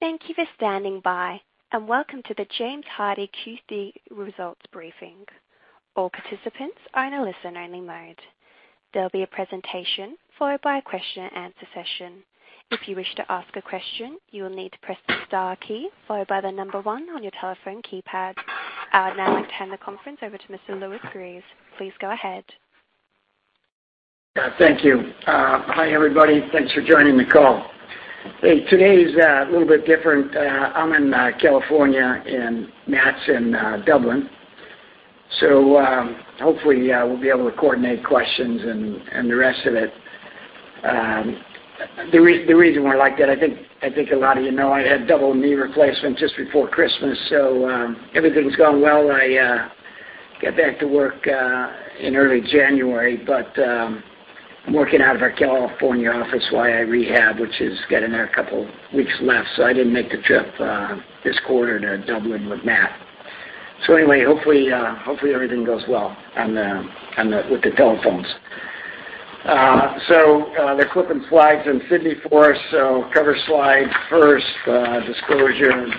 Thank you for standing by, and welcome to the James Hardie Q3 Results Briefing. All participants are in a listen-only mode. There'll be a presentation followed by a question-and-answer session. If you wish to ask a question, you will need to press the star key followed by the number one on your telephone keypad. I would now like to hand the conference over to Mr. Louis Gries. Please go ahead. Thank you. Hi, everybody. Thanks for joining the call. Hey, today is a little bit different. I'm in California, and Matt's in Dublin. So, hopefully, we'll be able to coordinate questions and the rest of it. The reason why I like that, I think a lot of you know I had double knee replacement just before Christmas, so everything's going well. I got back to work in early January, but I'm working out of our California office while I rehab, which is getting there, a couple weeks left. I didn't make the trip this quarter to Dublin with Matt. So anyway, hopefully everything goes well with the telephones. So, they're flipping slides in Sydney for us, so cover slide first, disclosures,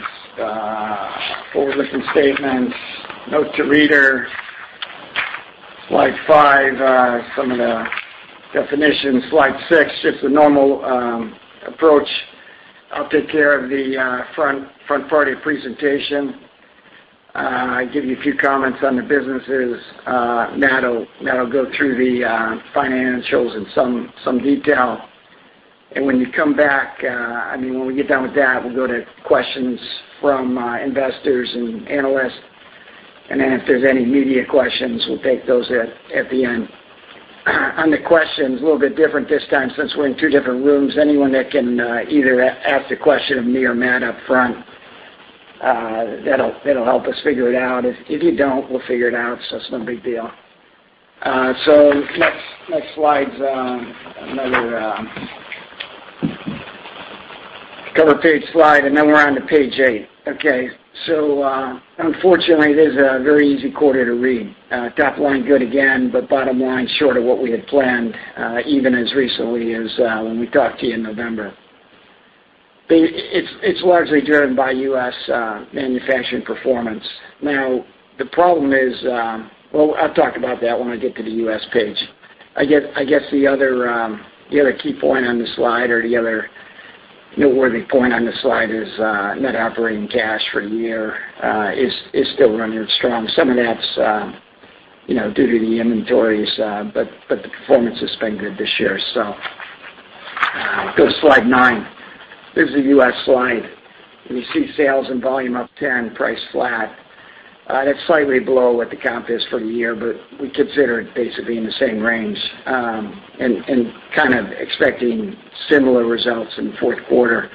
forward-looking statements, note to reader. Slide five, some of the definitions. Slide six, just a normal approach. I'll take care of the front part of your presentation. I'll give you a few comments on the businesses. Matt will go through the financials in some detail. And when you come back, I mean, when we get done with that, we'll go to questions from investors and analysts. And then if there's any media questions, we'll take those at the end. On the questions, a little bit different this time, since we're in two different rooms. Anyone that can either ask the question of me or Matt up front, that'll help us figure it out. If, if you don't, we'll figure it out, so it's no big deal. So next slide's another cover page slide, and then we're on to page eight. Okay, so unfortunately, it is a very easy quarter to read. Top line, good again, but bottom line, short of what we had planned, even as recently as when we talked to you in November. It's largely driven by U.S. manufacturing performance. Now, the problem is. Well, I'll talk about that when I get to the U.S. page. I guess the other key point on the slide or the other noteworthy point on the slide is net operating cash for the year is still running strong. Some of that's, you know, due to the inventories, but the performance has been good this year, so. Go to slide nine. This is the U.S. slide. We see sales and volume up 10, price flat. That's slightly below what the comp is for the year, but we consider it basically in the same range, and expecting similar results in the Q4.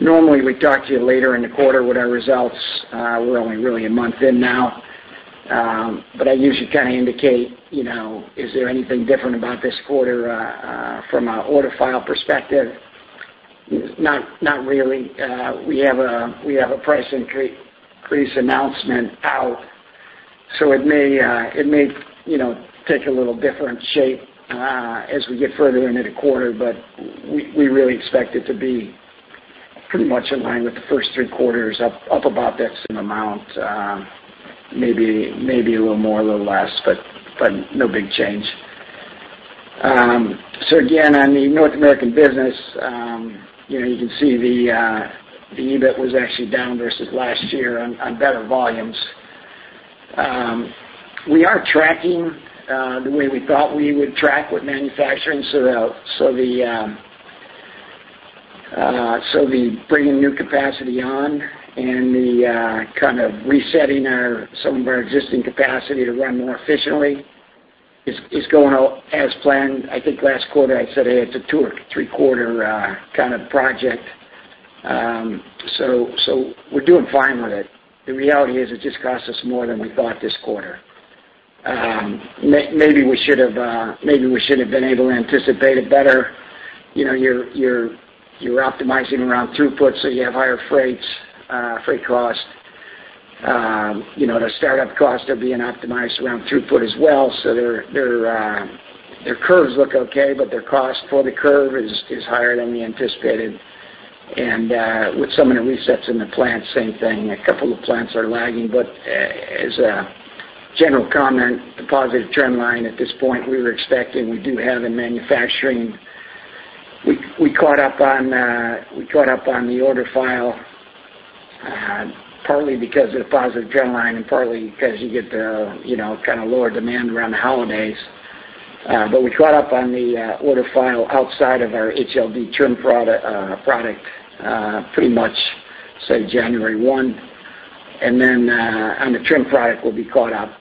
Normally, we talk to you later in the quarter with our results. We're only really a month in now, but I usually kind of indicate, you know, is there anything different about this quarter, from an order file perspective? Not really. We have a price increase announcement out, so it may, you know, take a little different shape as we get further into the quarter, but we really expect it to be pretty much in line with the first three quarters, up about that same amount, maybe a little more, a little less, but no big change. So again, on the North American business, you know, you can see the EBIT was actually down versus last year on better volumes. We are tracking the way we thought we would track with manufacturing, so the bringing new capacity on and the kind of resetting some of our existing capacity to run more efficiently is going out as planned. I think last quarter I said it's a two or three-quarter kind of project. So we're doing fine with it. The reality is, it just cost us more than we thought this quarter. Maybe we should have been able to anticipate it better. You know, you're optimizing around throughput, so you have higher freight costs. You know, the startup costs are being optimized around throughput as well, so their curves look okay, but their cost for the curve is higher than we anticipated. And with some of the resets in the plant, same thing. A couple of plants are lagging, but as a general comment, the positive trend line at this point, we were expecting. We do have in manufacturing... We caught up on the order file partly because of the positive trend line and partly because you get the, you know, kind of lower demand around the holidays. But we caught up on the order file outside of our HLD trim product pretty much say January one, and then on the trim product, we'll be caught up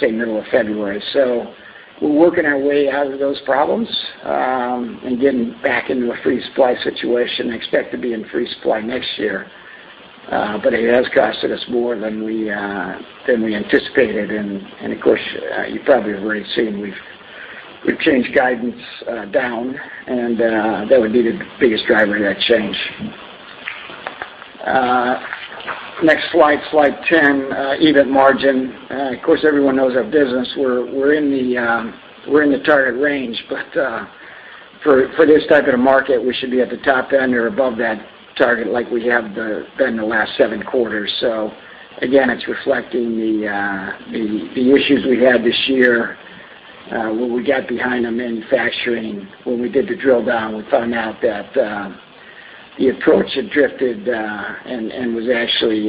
say middle of February. So we're working our way out of those problems and getting back into a free supply situation. Expect to be in free supply next year, but it has costed us more than we anticipated. And of course you probably have already seen, we've changed guidance down, and that would be the biggest driver of that change. Next slide, slide ten, EBIT margin. Of course, everyone knows our business. We're in the target range, but for this type of market, we should be at the top end or above that target like we have been the last seven quarters. So again, it's reflecting the issues we had this year, where we got behind on manufacturing. When we did the drill down, we found out that the approach had drifted and was actually,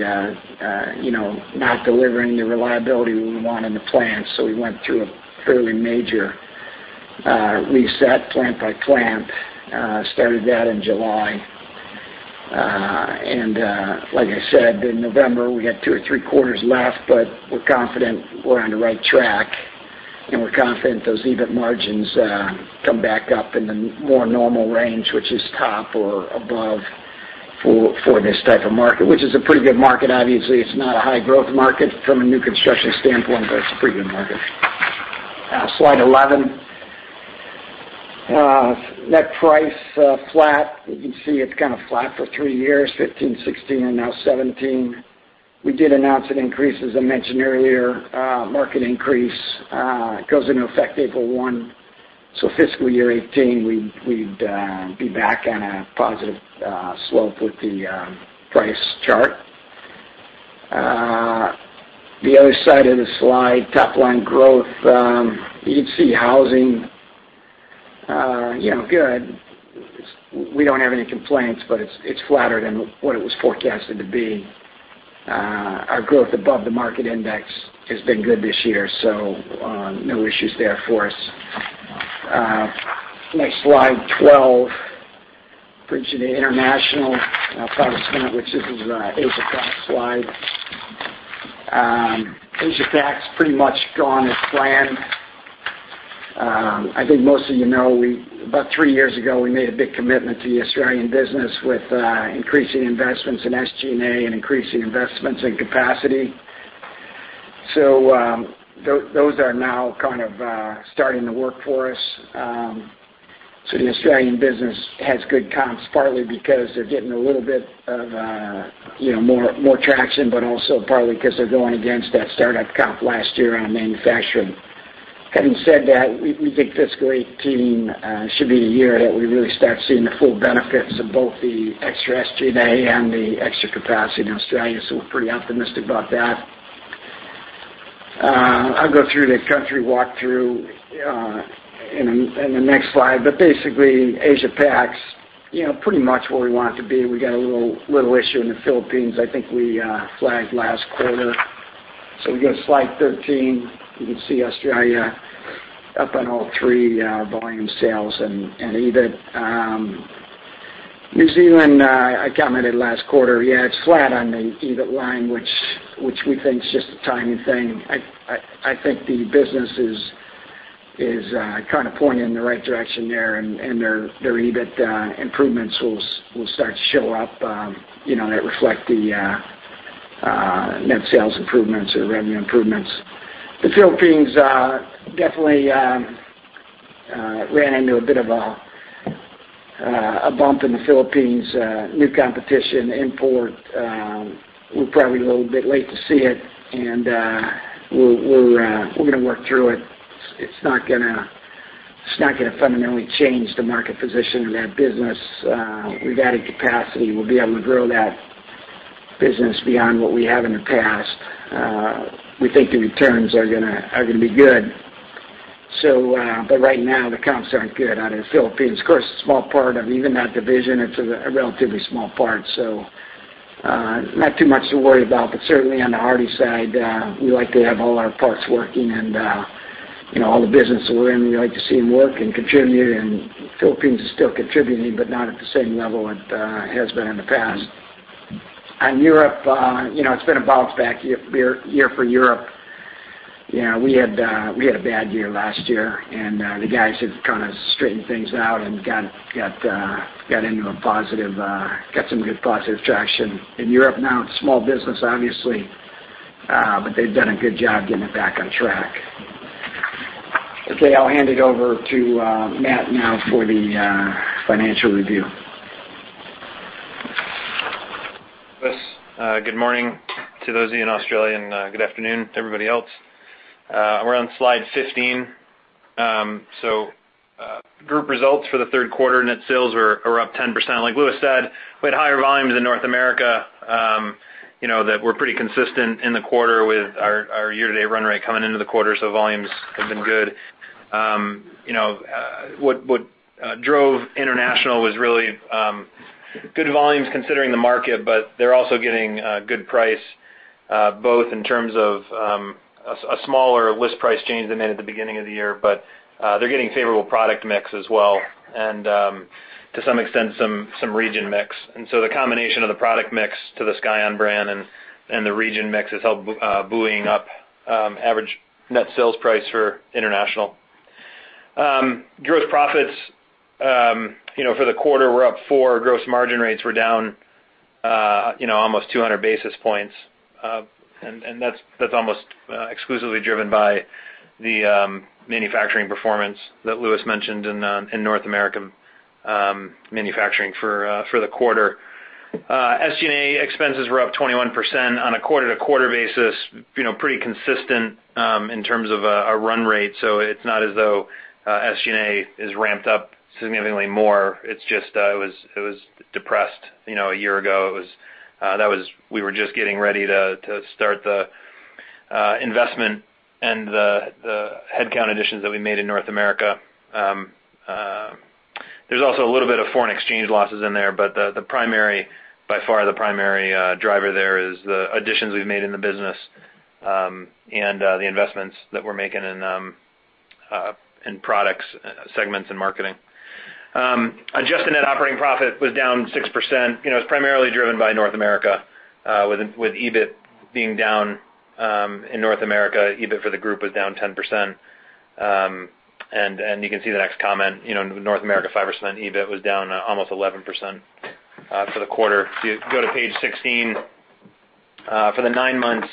you know, not delivering the reliability we want in the plant. So we went through a fairly major reset, plant by plant. Started that in July. And, like I said, in November, we had two or three quarters left, but we're confident we're on the right track, and we're confident those EBIT margins come back up in the more normal range, which is top or above for this type of market, which is a pretty good market. Obviously, it's not a high growth market from a new construction standpoint, but it's a pretty good market. Slide eleven. Net price flat. You can see it's kind of flat for three years, 2015, 2016, and now 2017. We did announce an increase, as I mentioned earlier, market increase goes into effect April one. So fiscal year 2018, we'd be back on a positive slope with the price chart. The other side of the slide, top line growth. You'd see housing, you know, good. We don't have any complaints, but it's flatter than what it was forecasted to be. Our growth above the market index has been good this year, so, no issues there for us. Next slide, twelve. Brings you to international product segment, which this is a Asia Pac slide. Asia Pac's pretty much gone as planned. I think most of you know, about three years ago, we made a big commitment to the Australian business with increasing investments in SG&A and increasing investments in capacity. So, those are now kind of starting to work for us. So the Australian business has good comps, partly because they're getting a little bit of, you know, more traction, but also partly because they're going against that startup comp last year on manufacturing. Having said that, we think fiscal 2018 should be the year that we really start seeing the full benefits of both the extra SG&A and the extra capacity in Australia, so we're pretty optimistic about that. I'll go through the country walkthrough in the next slide, but basically, Asia Pac's, you know, pretty much where we want it to be. We got a little issue in the Philippines, I think we flagged last quarter. So we go to slide 13. You can see Australia up on all three, volume sales and EBIT. New Zealand, I commented last quarter. It's flat on the EBIT line, which we think is just a timing thing. I think the business is kind of pointing in the right direction there, and their EBIT improvements will start to show up, you know, that reflect the net sales improvements or revenue improvements. The Philippines definitely ran into a bit of a bump in the Philippines, new competition, import. We're probably a little bit late to see it, and we'll, we're gonna work through it. It's not gonna fundamentally change the market position in that business. We've added capacity. We'll be able to grow that business beyond what we have in the past. We think the returns are gonna be good. So, but right now, the comps aren't good out in the Philippines. Of course, a small part of even that division, it's a relatively small part, so, not too much to worry about. But certainly, on the Hardie side, we like to have all our parts working and, you know, all the business that we're in, we like to see them work and contribute. And Philippines is still contributing, but not at the same level it has been in the past. On Europe, you know, it's been a bounce back year for Europe. You know, we had a bad year last year, and the guys have kind of straightened things out and got into a positive, got some good positive traction in Europe. Now, it's a small business, obviously, but they've done a good job getting it back on track. Okay, I'll hand it over to Matt now for the financial review. Thanks, Louis. Good morning to those of you in Australia, and good afternoon to everybody else. We're on slide 15. So, group results for the Q3, net sales are up 10%. Like Louis said, we had higher volumes in North America, you know, that were pretty consistent in the quarter with our year-to-date run rate coming into the quarter, so volumes have been good. You know, what drove international was really good volumes considering the market, but they're also getting good price, both in terms of a smaller list price change than they had at the beginning of the year, but they're getting favorable product mix as well, and to some extent, some region mix. And so the combination of the product mix to the Scyon brand and the region mix has helped buoying up average net sales price for international. Gross profits, you know, for the quarter were up 4%. Gross margin rates were down, you know, almost 200 basis points. And that's almost exclusively driven by the manufacturing performance that Lewis mentioned in North American manufacturing for the quarter. SG&A expenses were up 21% on a quarter-to-quarter basis, you know, pretty consistent in terms of a run rate. So it's not as though SG&A is ramped up significantly more. It's just it was depressed, you know, a year ago. It was that was... We were just getting ready to start the investment and the headcount additions that we made in North America. There's also a little bit of foreign exchange losses in there, but the primary, by far, the primary driver there is the additions we've made in the business, and the investments that we're making in products, segments, and marketing. Adjusted Net Operating Profit was down 6%. You know, it's primarily driven by North America, with EBIT being down in North America. EBIT for the group was down 10%. And you can see the next comment, you know, North America Fiber Cement EBIT was down almost 11% for the quarter. If you go to page 16, for the 9 months,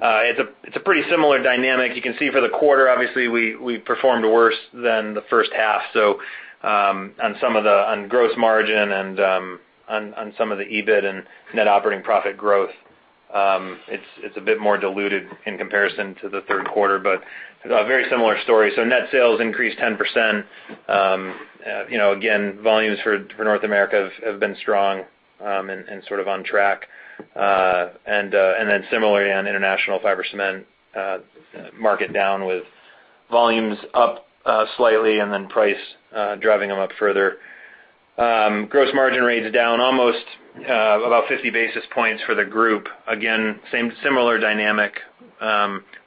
it's a pretty similar dynamic. You can see for the quarter, obviously, we performed worse than the first half. So, on some of the, on gross margin and, on some of the EBIT and net operating profit growth, it's a bit more diluted in comparison to the Q3, but, very similar story. So net sales increased 10%. You know, again, volumes for North America have been strong, and on track. And then similarly, on International Fiber Cement, market down with volumes up, slightly, and then price driving them up further. Gross margin rates down almost, about 50 basis points for the group. Again, same similar dynamic,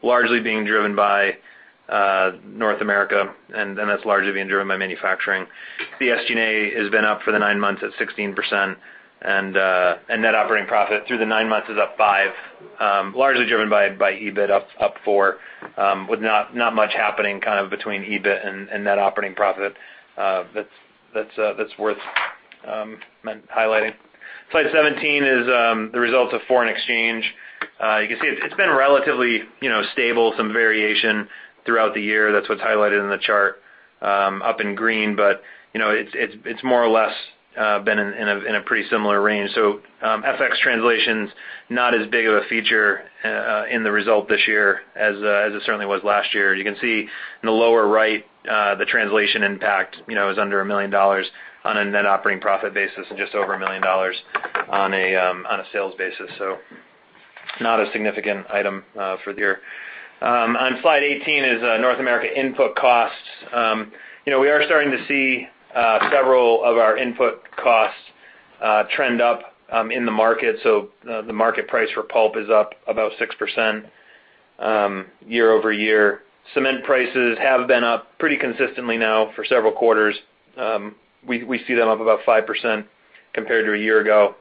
largely being driven by North America, and then that's largely being driven by manufacturing. The SG&A has been up for the nine months at 16%, and net operating profit through the nine months is up 5%, largely driven by EBIT up 4%, with not much happening kind of between EBIT and net operating profit. That's worth highlighting. Slide 17 is the results of foreign exchange. You can see it's been relatively, you know, stable, some variation throughout the year. That's what's highlighted in the chart up in green. But, you know, it's more or less been in a pretty similar range. So, FX translation's not as big of a feature in the result this year as it certainly was last year. You can see in the lower right, the translation impact, you know, is under $1 million on a net operating profit basis, and just over $1 million on a sales basis. So not a significant item for the year. On slide eighteen is North America input costs. You know, we are starting to see several of our input costs trend up in the market. So, the market price for pulp is up about 6% year over year. Cement prices have been up pretty consistently now for several quarters. We see them up about 5% compared to a year ago.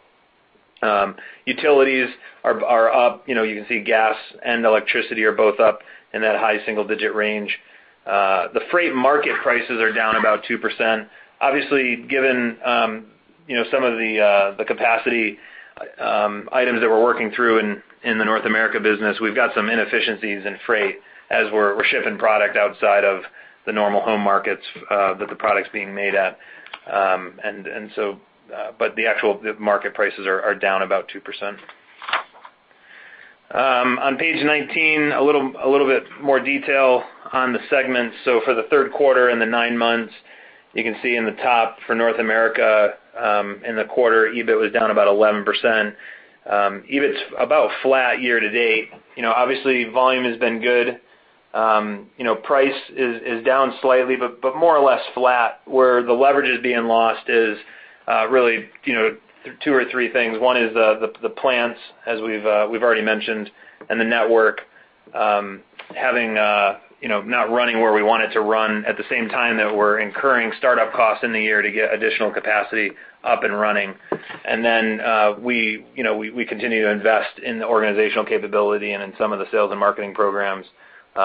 Utilities are up. You know, you can see gas and electricity are both up in that high single digit range. The freight market prices are down about 2%. Obviously, given you know, some of the, the capacity items that we're working through in the North America business, we've got some inefficiencies in freight as we're shipping product outside of the normal home markets that the product's being made at. And so, but the actual market prices are down about 2%. On page 19, a little bit more detail on the segments. So for the Q3 and the nine months, you can see in the top for North America, in the quarter, EBIT was down about 11%. EBIT's about flat year to date. You know, obviously, volume has been good. You know, price is down slightly, but more or less flat. Where the leverage is being lost is really, you know, two or three things. One is the plants, as we've already mentioned, and the network, having, you know, not running where we want it to run, at the same time that we're incurring startup costs in the year to get additional capacity up and running. And then, we, you know, continue to invest in the organizational capability and in some of the sales and marketing programs,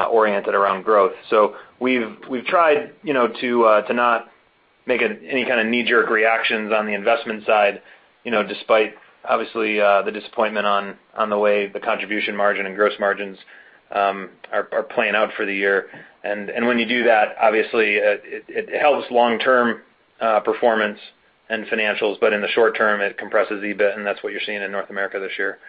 oriented around growth. So we've tried, you know, to not make any kind of knee-jerk reactions on the investment side, you know, despite obviously, the disappointment on the way the contribution margin and gross margins, are playing out for the year. And when you do that, obviously, it helps long-term performance and financials, but in the short term, it compresses EBIT, and that's what you're seeing in North America this year.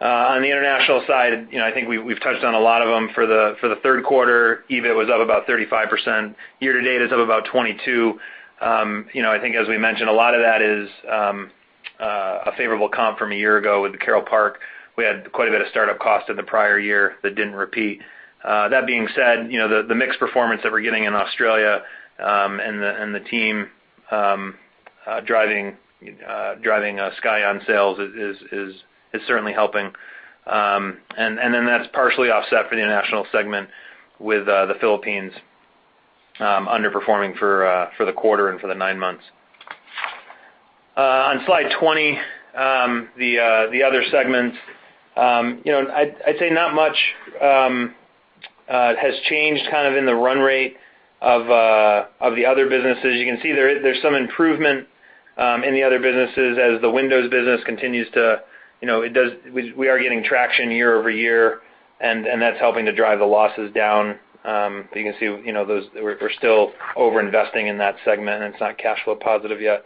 On the international side, you know, I think we've touched on a lot of them. For the Q3, EBIT was up about 35%. Year to date, it's up about 22%. You know, I think as we mentioned, a lot of that is a favorable comp from a year ago with the Carroll Park. We had quite a bit of startup cost in the prior year that didn't repeat. That being said, you know, the mixed performance that we're getting in Australia and the team driving Scyon sales is certainly helping. And then that's partially offset for the international segment with the Philippines underperforming for the quarter and for the nine months. On slide twenty, the other segments, you know, I'd, I'd say not much has changed kind of in the run rate of the other businesses. You can see there is, there's some improvement in the other businesses as the windows business continues to, you know, we are getting traction year over year, and that's helping to drive the losses down. But you can see, you know, we're, we're still over-investing in that segment, and it's not cash flow positive yet,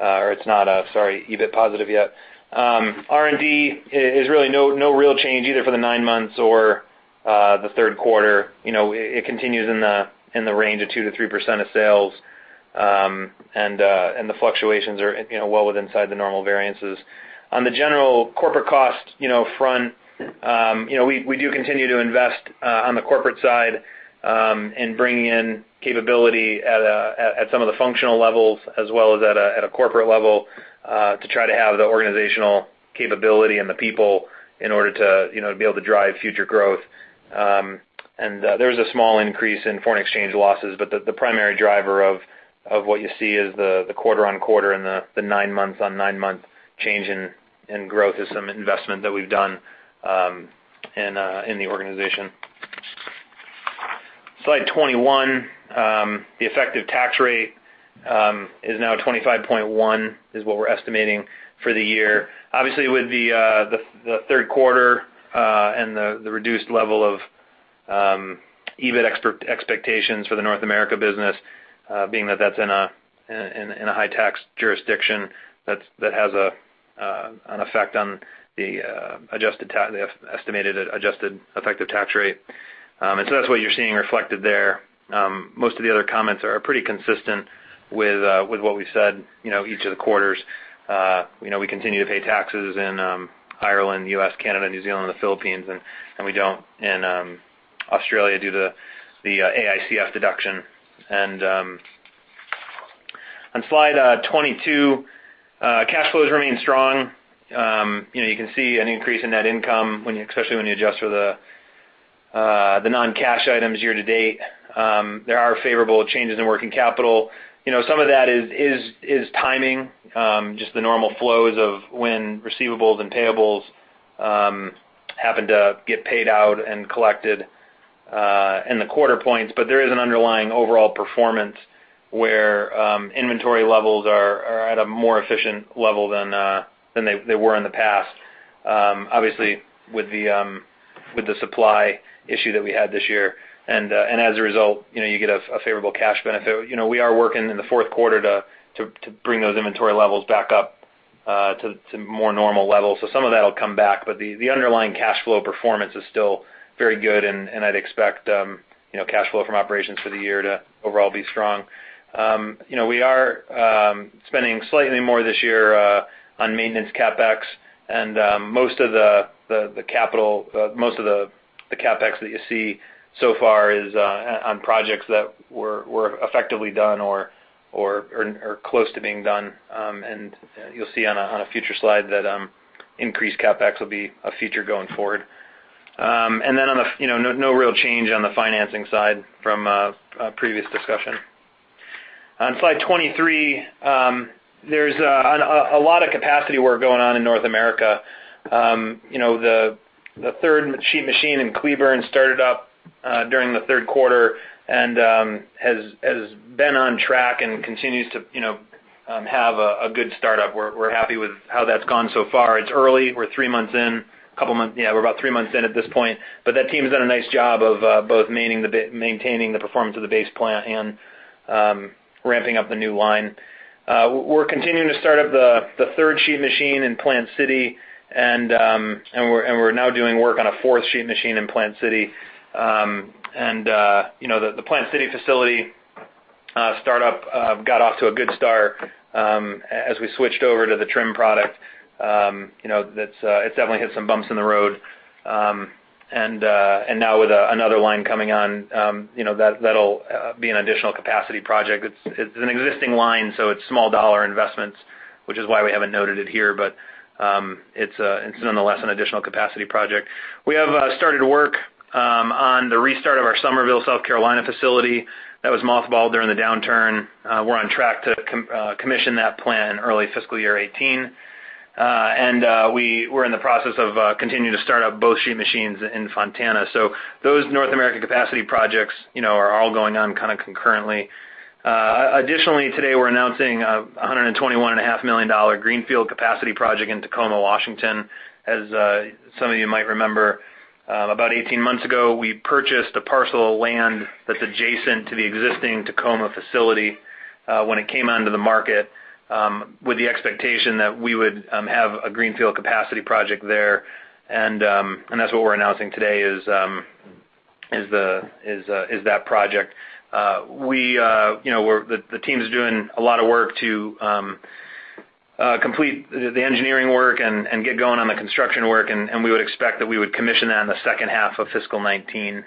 or it's not, sorry, EBIT positive yet. R&D is really no, no real change either for the nine months or the Q3. You know, it continues in the range of 2%-3% of sales. And the fluctuations are, you know, well within inside the normal variances. On the general corporate cost, you know, front, you know, we do continue to invest on the corporate side in bringing in capability at some of the functional levels, as well as at a corporate level to try to have the organizational capability and the people in order to, you know, be able to drive future growth. And there's a small increase in foreign exchange losses, but the primary driver of what you see is the quarter on quarter and the nine months on nine-month change in growth is some investment that we've done in the organization. Slide 21, the effective tax rate is now 25.1%, is what we're estimating for the year. Obviously, with the Q3 and the reduced level of EBIT expectations for the North America business, being that that's in a high tax jurisdiction, that has an effect on the estimated adjusted effective tax rate. And so that's what you're seeing reflected there. Most of the other comments are pretty consistent with what we said, you know, each of the quarters. You know, we continue to pay taxes in Ireland, U.S., Canada, New Zealand, and the Philippines, and we don't in Australia, due to the AICF deduction. And on slide 22, cash flows remain strong. You know, you can see an increase in net income when you especially when you adjust for the non-cash items year to date. There are favorable changes in working capital. You know, some of that is timing, just the normal flows of when receivables and payables happen to get paid out and collected in the quarter points. But there is an underlying overall performance where inventory levels are at a more efficient level than they were in the past. Obviously, with the supply issue that we had this year, and as a result, you know, you get a favorable cash benefit. You know, we are working in the Q4 to bring those inventory levels back up to more normal levels. So some of that'll come back, but the underlying cash flow performance is still very good, and I'd expect, you know, cash flow from operations for the year to overall be strong. You know, we are spending slightly more this year on maintenance CapEx, and most of the capital, most of the CapEx that you see so far is on projects that were effectively done or are close to being done. And you'll see on a future slide that increased CapEx will be a feature going forward. And then on the financing side. You know, no real change on the financing side from a previous discussion. On slide 23, there's a lot of capacity work going on in North America. You know, the third sheet machine in Cleburne started up during the Q3, and has been on track and continues to, you know, have a good startup. We're happy with how that's gone so far. It's early. We're three months in, couple months. We're about three months in at this point, but that team has done a nice job of both maintaining the performance of the base plant and ramping up the new line. We're continuing to start up the third sheet machine in Plant City, and we're now doing work on a fourth sheet machine in Plant City. And you know, the Plant City facility startup got off to a good start. As we switched over to the trim product, you know, that's, it's definitely hit some bumps in the road. And now with another line coming on, you know, that, that'll be an additional capacity project. It's, it's an existing line, so it's small dollar investments, which is why we haven't noted it here. But, it's, it's nonetheless an additional capacity project. We have started work on the restart of our Summerville, South Carolina facility that was mothballed during the downturn. We're on track to commission that plant in early fiscal year 2018. And we're in the process of continuing to start up both sheet machines in Fontana. So those North American capacity projects, you know, are all going on kind of concurrently. Additionally, today, we're announcing a $121.5 million greenfield capacity project in Tacoma, Washington. As some of you might remember, about 18 months ago, we purchased a parcel of land that's adjacent to the existing Tacoma facility, when it came onto the market, with the expectation that we would have a greenfield capacity project there, and that's what we're announcing today is that project. You know, the team is doing a lot of work to complete the engineering work and get going on the construction work, and we would expect that we would commission that in the second half of fiscal 2019,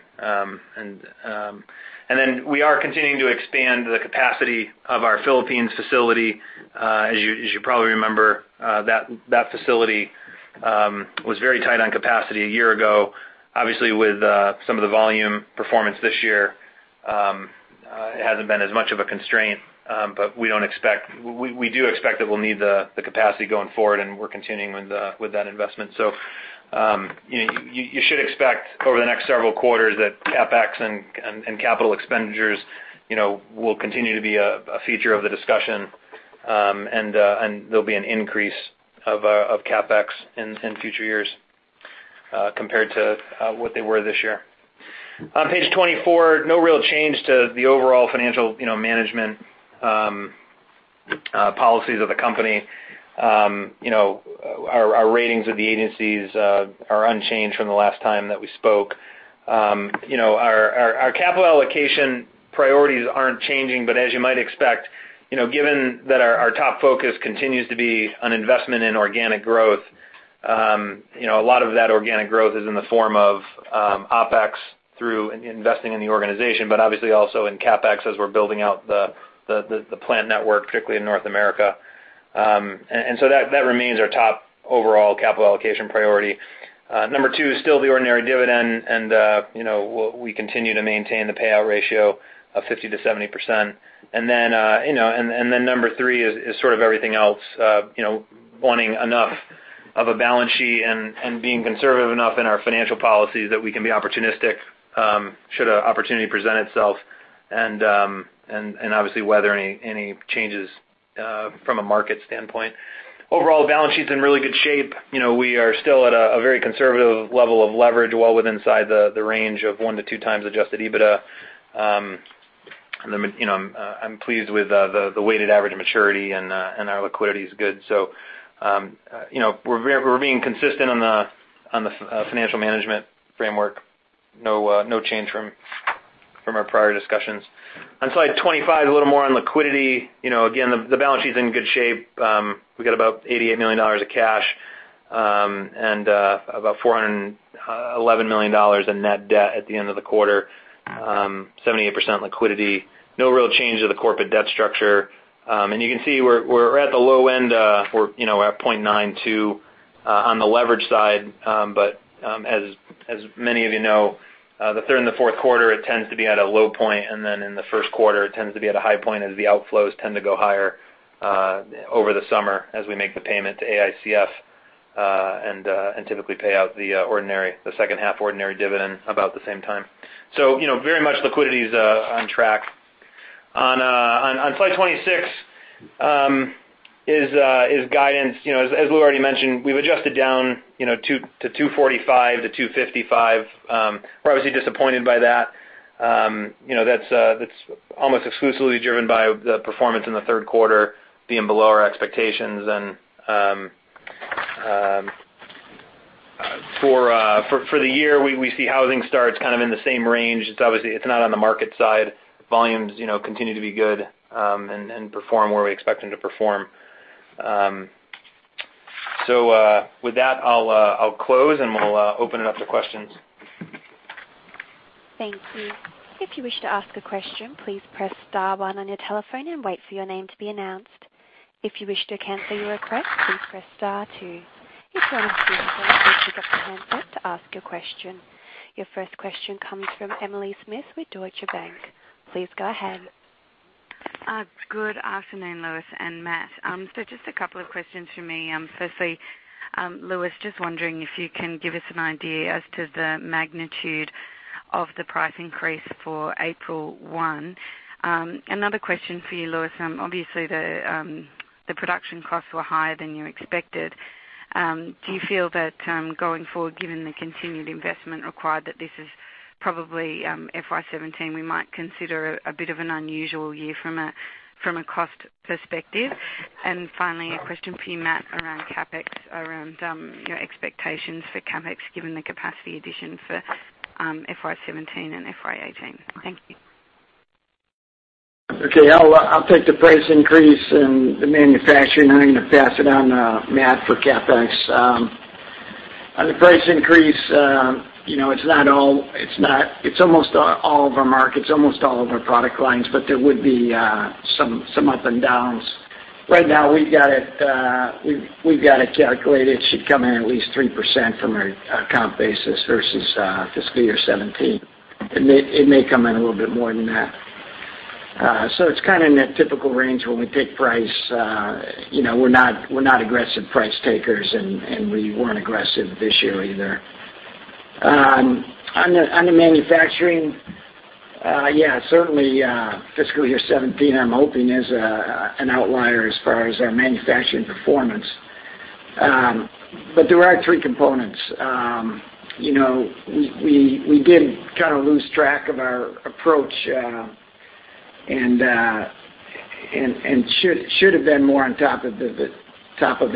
and then we are continuing to expand the capacity of our Philippines facility. As you probably remember, that facility was very tight on capacity a year ago. Obviously, with some of the volume performance this year, it hasn't been as much of a constraint, but we do expect that we'll need the capacity going forward, and we're continuing with that investment. So, you should expect over the next several quarters that CapEx and capital expenditures, you know, will continue to be a feature of the discussion. And there'll be an increase of CapEx in future years compared to what they were this year. On page twenty-four, no real change to the overall financial, you know, management policies of the company. You know, our ratings of the agencies are unchanged from the last time that we spoke. You know, our capital allocation priorities aren't changing, but as you might expect, you know, given that our top focus continues to be on investment in organic growth, you know, a lot of that organic growth is in the form of OpEx through investing in the organization, but obviously also in CapEx, as we're building out the plant network, particularly in North America. And so that remains our top overall capital allocation priority. Number two is still the ordinary dividend, and you know, we continue to maintain the payout ratio of 50%-70%. Then number three is everything else. You know, wanting enough of a balance sheet and being conservative enough in our financial policies that we can be opportunistic, should an opportunity present itself, and obviously weather any changes from a market standpoint. Overall, the balance sheet's in really good shape. You know, we are still at a very conservative level of leverage, well within the range of one to two times Adjusted EBITDA. And then, you know, I'm pleased with the weighted average maturity, and our liquidity is good. So, you know, we're being consistent on the financial management framework. No change from our prior discussions. On slide twenty-five, a little more on liquidity. You know, again, the balance sheet's in good shape. We've got about $88 million of cash, and about $411 million in net debt at the end of the quarter. 78% liquidity. No real change to the corporate debt structure, and you can see we're at the low end, you know, at 0.92 on the leverage side, but as many of you know, the third and the Q4 it tends to be at a low point, and then in the Q1 it tends to be at a high point as the outflows tend to go higher over the summer as we make the payment to AICF and typically pay out the second half ordinary dividend about the same time, so you know, very much liquidity is on track. On slide 26 is guidance. You know, as Lou already mentioned, we've adjusted down to 245-255. We're obviously disappointed by that. You know, that's almost exclusively driven by the performance in the Q3 being below our expectations. And for the year, we see housing starts kind of in the same range. It's obviously not on the market side. Volumes, you know, continue to be good and perform where we expect them to perform. So with that, I'll close, and we'll open it up to questions. Thank you. If you wish to ask a question, please press star one on your telephone and wait for your name to be announced. If you wish to cancel your request, please press star two. Your line is open, please get the handset to ask your question. Your first question comes from Emily Smith with Deutsche Bank. Please go ahead. Good afternoon, Louis and Matt. So just a couple of questions from me. Firstly, Louis, just wondering if you can give us an idea as to the magnitude of the price increase for April one. Another question for you, Louis. Obviously, the production costs were higher than you expected. Do you feel that, going forward, given the continued investment required, that this is probably FY seventeen we might consider a bit of an unusual year from a cost perspective? Finally, a question for you, Matt, around CapEx, your expectations for CapEx, given the capacity addition for FY seventeen and FY eighteen. Thank you. Okay, I'll take the price increase and the manufacturing, and I'm going to pass it on to Matt for CapEx. On the price increase, you know, it's not all. It's almost all of our markets, almost all of our product lines, but there would be some up and downs. Right now, we've got it calculated. It should come in at least 3% from a comp basis versus fiscal year 2017. It may come in a little bit more than that. So it's kind of in that typical range when we take price. You know, we're not aggressive price takers, and we weren't aggressive this year either. On the manufacturing, certainly, fiscal year seventeen, I'm hoping, is an outlier as far as our manufacturing performance. But there are three components. You know, we did kind of lose track of our approach, and should have been more on top of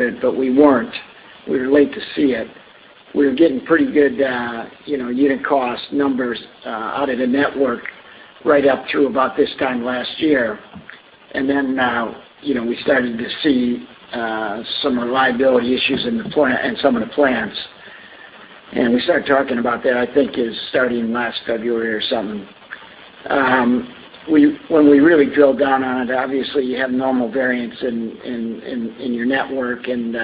it, but we weren't. We were late to see it. We were getting pretty good, you know, unit cost numbers, out of the network right up to about this time last year. And then, you know, we started to see some reliability issues in the plant - in some of the plants. And we started talking about that, I think, it was starting last February or something. When we really drilled down on it, obviously, you have normal variance in your network, and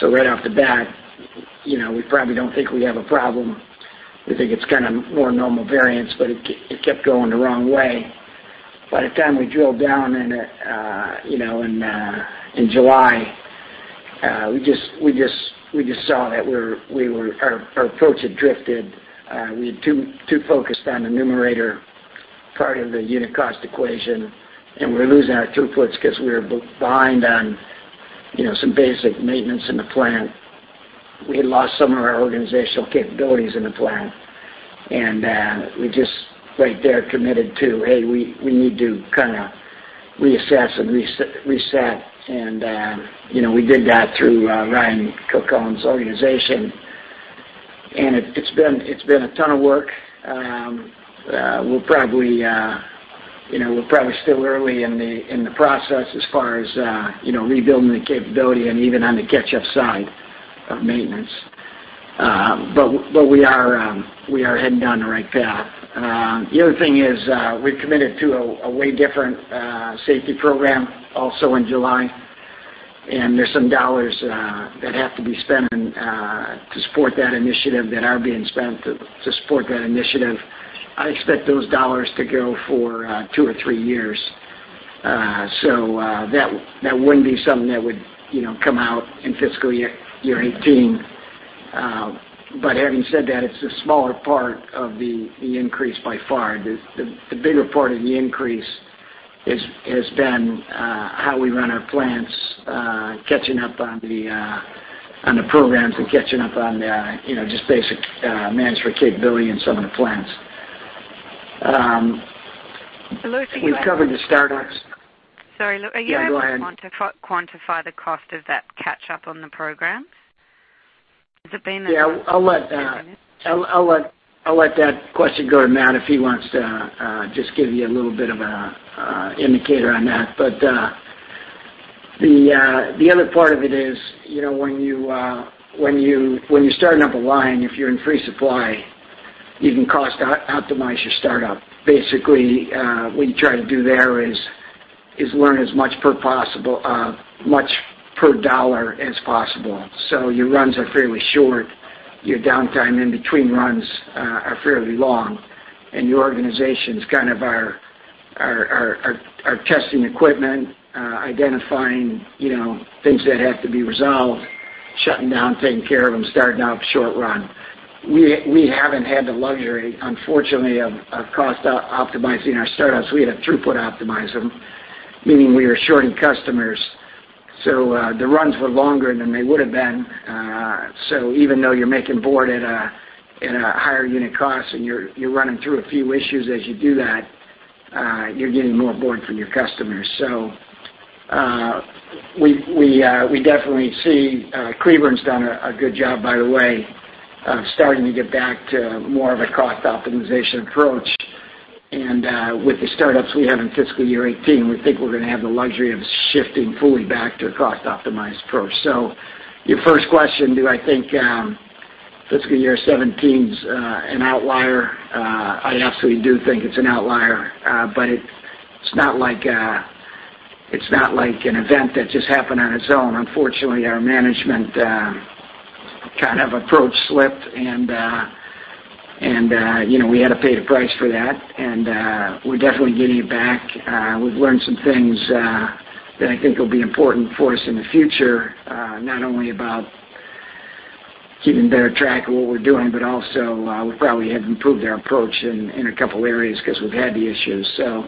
so right off the bat. You know, we probably don't think we have a problem. We think it's kind of more normal variance, but it kept going the wrong way. By the time we drilled down in it, you know, in July, we just saw that we were, our approach had drifted. We had too focused on the numerator part of the unit cost equation, and we're losing our throughputs because we were behind on, you know, some basic maintenance in the plant. We had lost some of our organizational capabilities in the plant, and we just right there committed to, hey, we need to kind of reassess and reset. And, you know, we did that through Ryan Kilcullen's organization. And it's been a ton of work. We'll probably, you know, we're probably still early in the process as far as, you know, rebuilding the capability and even on the catch-up side of maintenance, but we are heading down the right path. The other thing is, we've committed to a way different safety program also in July, and there's some dollars that have to be spent to support that initiative that are being spent to support that initiative. I expect those dollars to go for two or three years, so that wouldn't be something that would, you know, come out in fiscal year 2018, but having said that, it's a smaller part of the increase by far. The bigger part of the increase has been how we run our plants, catching up on the programs and catching up on the, you know, just basic management capability in some of the plants. So Louis, are you- We've covered the startups. Sorry, Lou. Go ahead. Are you able to quantify the cost of that catch up on the programs? Has it been- I'll let that question go to Matt, if he wants to just give you a little bit of an indicator on that. But the other part of it is, you know, when you're starting up a line, if you're in free supply, you can cost-optimize your startup. Basically, what you try to do there is learn as much as possible per dollar. So your runs are fairly short, your downtime in between runs are fairly long, and your organization is kind of testing equipment, identifying, you know, things that have to be resolved, shutting down, taking care of them, starting up short run. We haven't had the luxury, unfortunately, of cost-optimizing our startups. We had to throughput optimize them, meaning we were shorting customers. So, the runs were longer than they would've been. So even though you're making board at a higher unit cost and you're running through a few issues as you do that, you're getting more board from your customers. So, we definitely see Cleburne's done a good job, by the way, of starting to get back to more of a cost optimization approach. And, with the startups we have in fiscal year eighteen, we think we're gonna have the luxury of shifting fully back to a cost-optimized approach. So your first question, do I think fiscal year seventeen's an outlier? I absolutely do think it's an outlier, but it's not like, it's not like an event that just happened on its own. Unfortunately, our management kind of approach slipped, and you know, we had to pay the price for that, and we're definitely getting it back. We've learned some things that I think will be important for us in the future, not only about keeping better track of what we're doing, but also, we probably have improved our approach in a couple areas because we've had the issues, so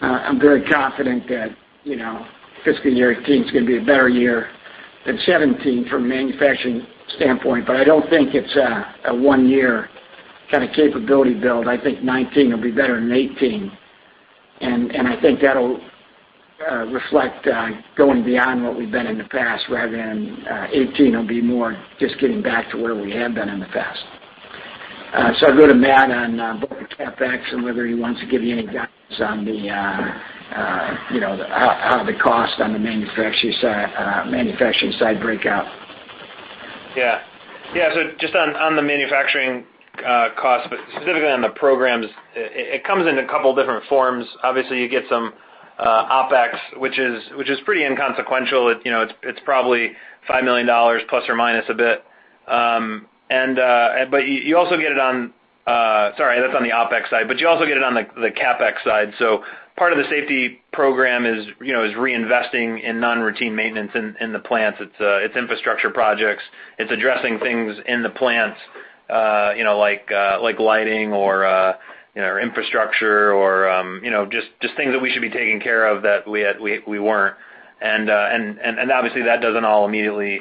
I'm very confident that you know, fiscal year 2018 is gonna be a better year than 2017 from a manufacturing standpoint, but I don't think it's a one-year kind of capability build. I think 2019 will be better than 2018. I think that'll reflect going beyond what we've been in the past, rather than eighteen will be more just getting back to where we have been in the past. So I'll go to Matt on both the CapEx and whether he wants to give you any guidance on the, you know, how the cost on the manufacturing side break out. So just on the manufacturing cost, but specifically on the programs, it comes in a couple different forms. Obviously, you get some OpEx, which is pretty inconsequential. It, you know, it's probably $5 million, plus or minus a bit. And but you also get it on... Sorry, that's on the OpEx side, but you also get it on the CapEx side. So part of the safety program is, you know, reinvesting in non-routine maintenance in the plants. It's infrastructure projects. It's addressing things in the plants, you know, like lighting or infrastructure or, you know, just things that we should be taking care of that we weren't. And obviously, that doesn't all immediately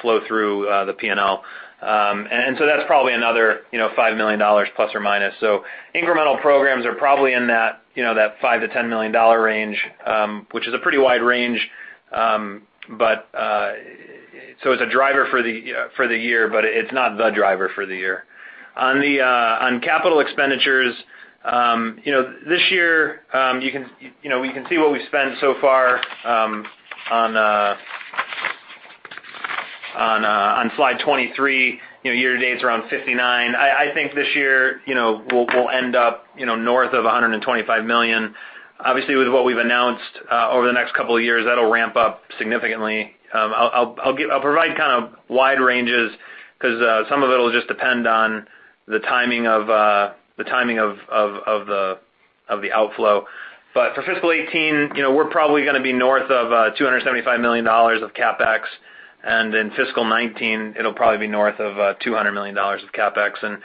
flow through the P&L. And so that's probably another, you know, $5 million, plus or minus. Incremental programs are probably in that, you know, $5-$10 million range, which is a pretty wide range. But so it's a driver for the year, but it's not the driver for the year. On capital expenditures, you know, this year, you can, you know, we can see what we've spent so far on slide 23. You know, year to date is around $59 million. I think this year, you know, we'll end up north of $125 million. Obviously, with what we've announced over the next couple of years, that'll ramp up significantly. I'll provide kind of wide ranges, 'cause some of it'll just depend on the timing of the outflow. But for fiscal eighteen, you know, we're probably gonna be north of $275 million of CapEx, and in fiscal nineteen, it'll probably be north of $200 million of CapEx. And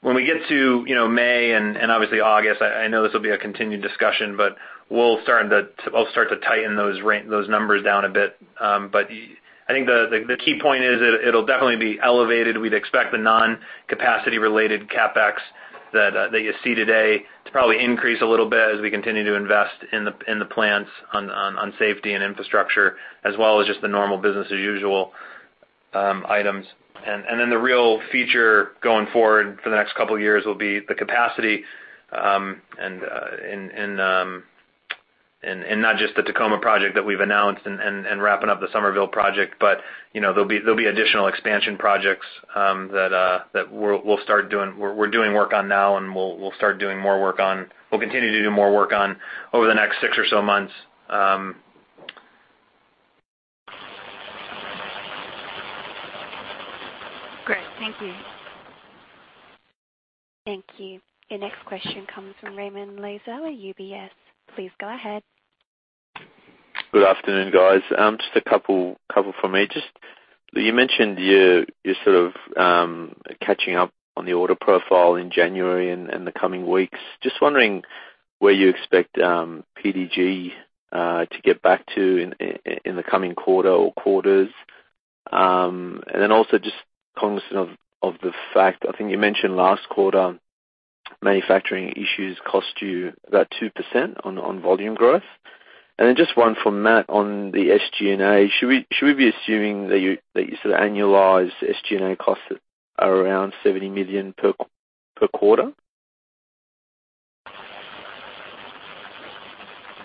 when we get to, you know, May and obviously August, I know this will be a continued discussion, but we'll start to, I'll start to tighten those numbers down a bit. But I think the key point is, it'll definitely be elevated. We'd expect the non-capacity related CapEx that you see today to probably increase a little bit as we continue to invest in the plants on safety and infrastructure, as well as just the normal business as usual items. And then the real feature going forward for the next couple of years will be the capacity and not just the Tacoma project that we've announced and wrapping up the Summerville project, but you know, there'll be additional expansion projects that we're doing work on now, and we'll continue to do more work on over the next six or so months. Great. Thank you. Thank you. Your next question comes from Raymond Lizza at UBS. Please go ahead. Good afternoon, guys. Just a couple for me. Just, you mentioned you're catching up on the order profile in January and the coming weeks. Just wondering where you expect PDG to get back to in the coming quarter or quarters? And then also just cognizant of the fact, I think you mentioned last quarter, manufacturing issues cost you about 2% on volume growth. And then just one for Matt on the SG&A. Should we be assuming that you annualize SG&A costs are around $70 million per quarter?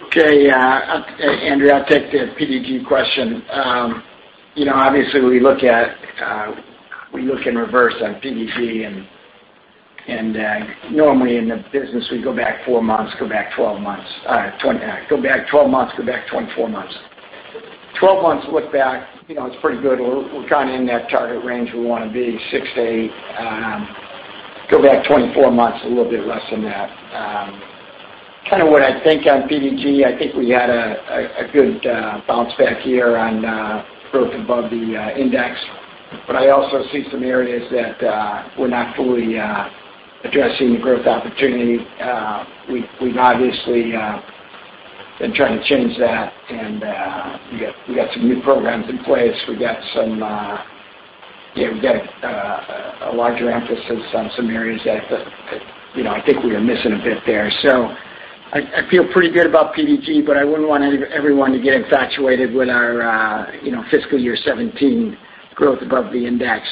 Okay, Andrea, I'll take the PDG question. You know, obviously, we look at, we look in reverse on PDG, and, and, normally in the business, we go back four months, go back twelve months, go back twelve months, go back twenty-four months. Twelve months look back, you know, it's pretty good. We're, we're kind of in that target range we wanna be, six to eight. Go back twenty-four months, a little bit less than that. Kind of what I think on PDG, I think we had a, a, a good, bounce back year on, growth above the, index. But I also see some areas that, we're not fully, addressing the growth opportunity. We've, we've obviously, been trying to change that, and, we got, we got some new programs in place. We got a larger emphasis on some areas that you know, I think we are missing a bit there. So I feel pretty good about PDG, but I wouldn't want everyone to get infatuated with our you know, fiscal year seventeen growth above the index,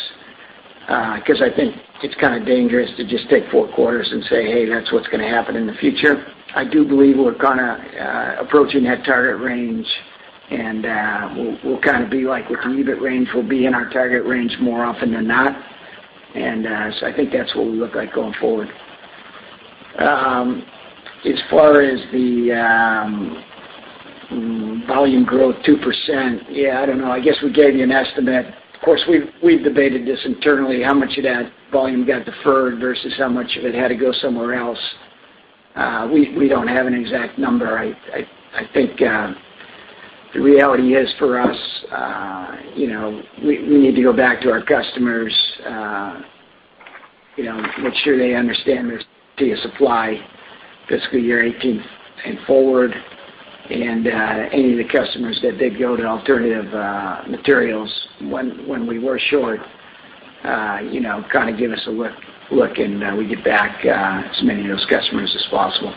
'cause I think it's kind of dangerous to just take four quarters and say: Hey, that's what's gonna happen in the future. I do believe we're gonna approaching that target range, and we'll kind of be like with the EBIT range, we'll be in our target range more often than not. And so I think that's what we look like going forward. As far as the volume growth, 2%. I don't know. I guess we gave you an estimate. Of course, we've debated this internally, how much of that volume got deferred versus how much of it had to go somewhere else. We don't have an exact number. I think the reality is for us, you know, we need to go back to our customers, you know, make sure they understand their supply fiscal year 2018 and forward, and any of the customers that did go to alternative materials when we were short, you know, kind of give us a look and we get back as many of those customers as possible.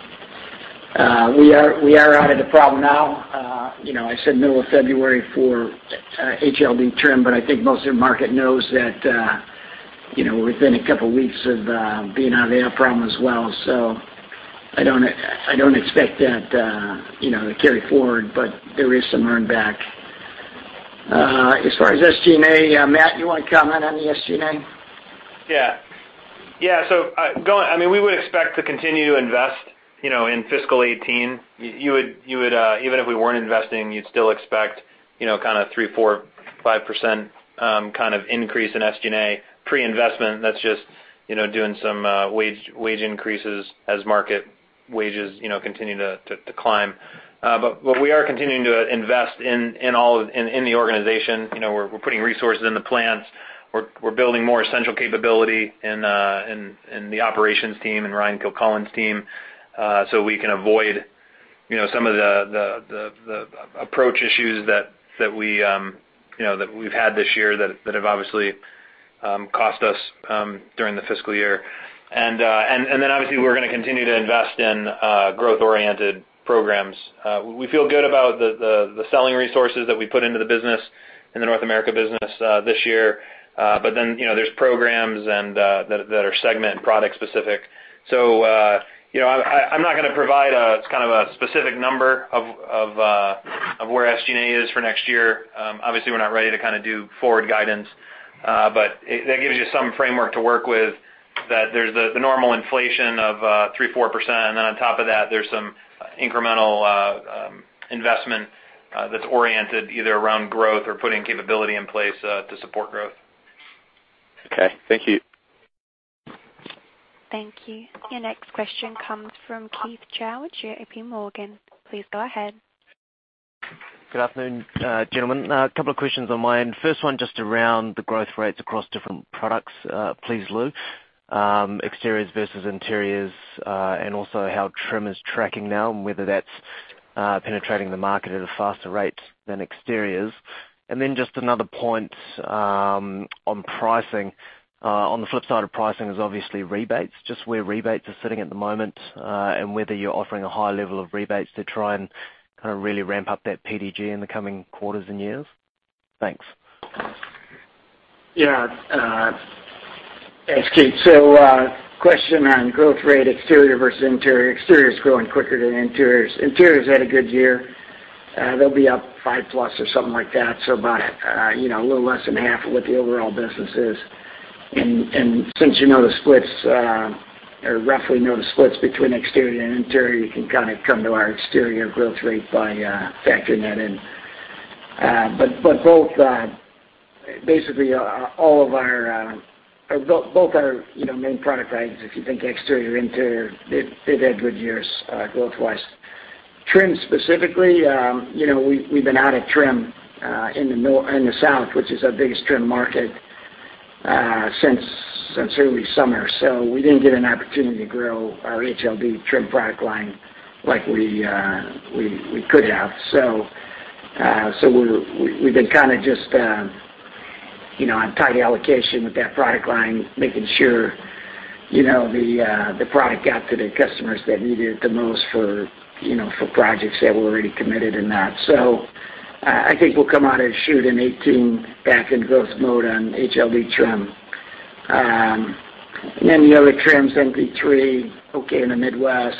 We are out of the problem now. You know, I said middle of February for HLD trim, but I think most of the market knows that, you know, within a couple of weeks of being out of that problem as well. So I don't expect that, you know, to carry forward, but there is some earn back. As far as SG&A, Matt, you wanna comment on the SG&A? So going, we would expect to continue to invest, you know, in fiscal 2018. You would, even if we weren't investing, you'd still expect, you know, kind of 3%-5% kind of increase in SG&A pre-investment. That's just, you know, doing some wage increases as market wages, you know, continue to climb. But we are continuing to invest in all in the organization. You know, we're putting resources in the plants. We're building more essential capability in the operations team and Ryan Kilcullen's team, so we can avoid, you know, some of the approach issues that we, you know, that we've had this year, that have obviously cost us during the fiscal year. And then obviously, we're gonna continue to invest in growth-oriented programs. We feel good about the selling resources that we put into the business, in the North America business, this year. But then, you know, there's programs and that are segment and product specific. So, you know, I'm not gonna provide kind of a specific number of where SG&A is for next year. Obviously, we're not ready to kind of do forward guidance, but that gives you some framework to work with, that there's the normal inflation of 3-4%, and then on top of that, there's some incremental investment that's oriented either around growth or putting capability in place to support growth. Okay, thank you. Thank you. Your next question comes from Keith Chau at J.P. Morgan. Please go ahead. Good afternoon, gentlemen. A couple of questions on my end. First one, just around the growth rates across different products, please, Lou. Exteriors versus interiors, and also how trim is tracking now, and whether that's penetrating the market at a faster rate than exteriors. And then just another point, on pricing. On the flip side of pricing is obviously rebates, just where rebates are sitting at the moment, and whether you're offering a higher level of rebates to try and kind of really ramp up that PDG in the coming quarters and years? Thanks. Thanks, Keith. So, question on growth rate, exterior versus interior. Exterior is growing quicker than interiors. Interiors had a good year. They'll be up five plus or something like that, so about, you know, a little less than half of what the overall business is. And since you know the splits, or roughly know the splits between exterior and interior, you can kind of come to our exterior growth rate by factoring that in. But both, basically, all of our, or both are, you know, main product lines. If you think exterior, interior, they've had good years, growth-wise. Trim specifically, you know, we've been out of trim in the south, which is our biggest trim market, since early summer, so we didn't get an opportunity to grow our HLD trim product line like we could have. So, we've been kind of just, you know, on tight allocation with that product line, making sure, you know, the product got to the customers that need it the most for, you know, for projects that were already committed and that. So I think we'll come out and shoot in 2018, back in growth mode on HLD trim. And then the other trims, NT3, okay, in the Midwest,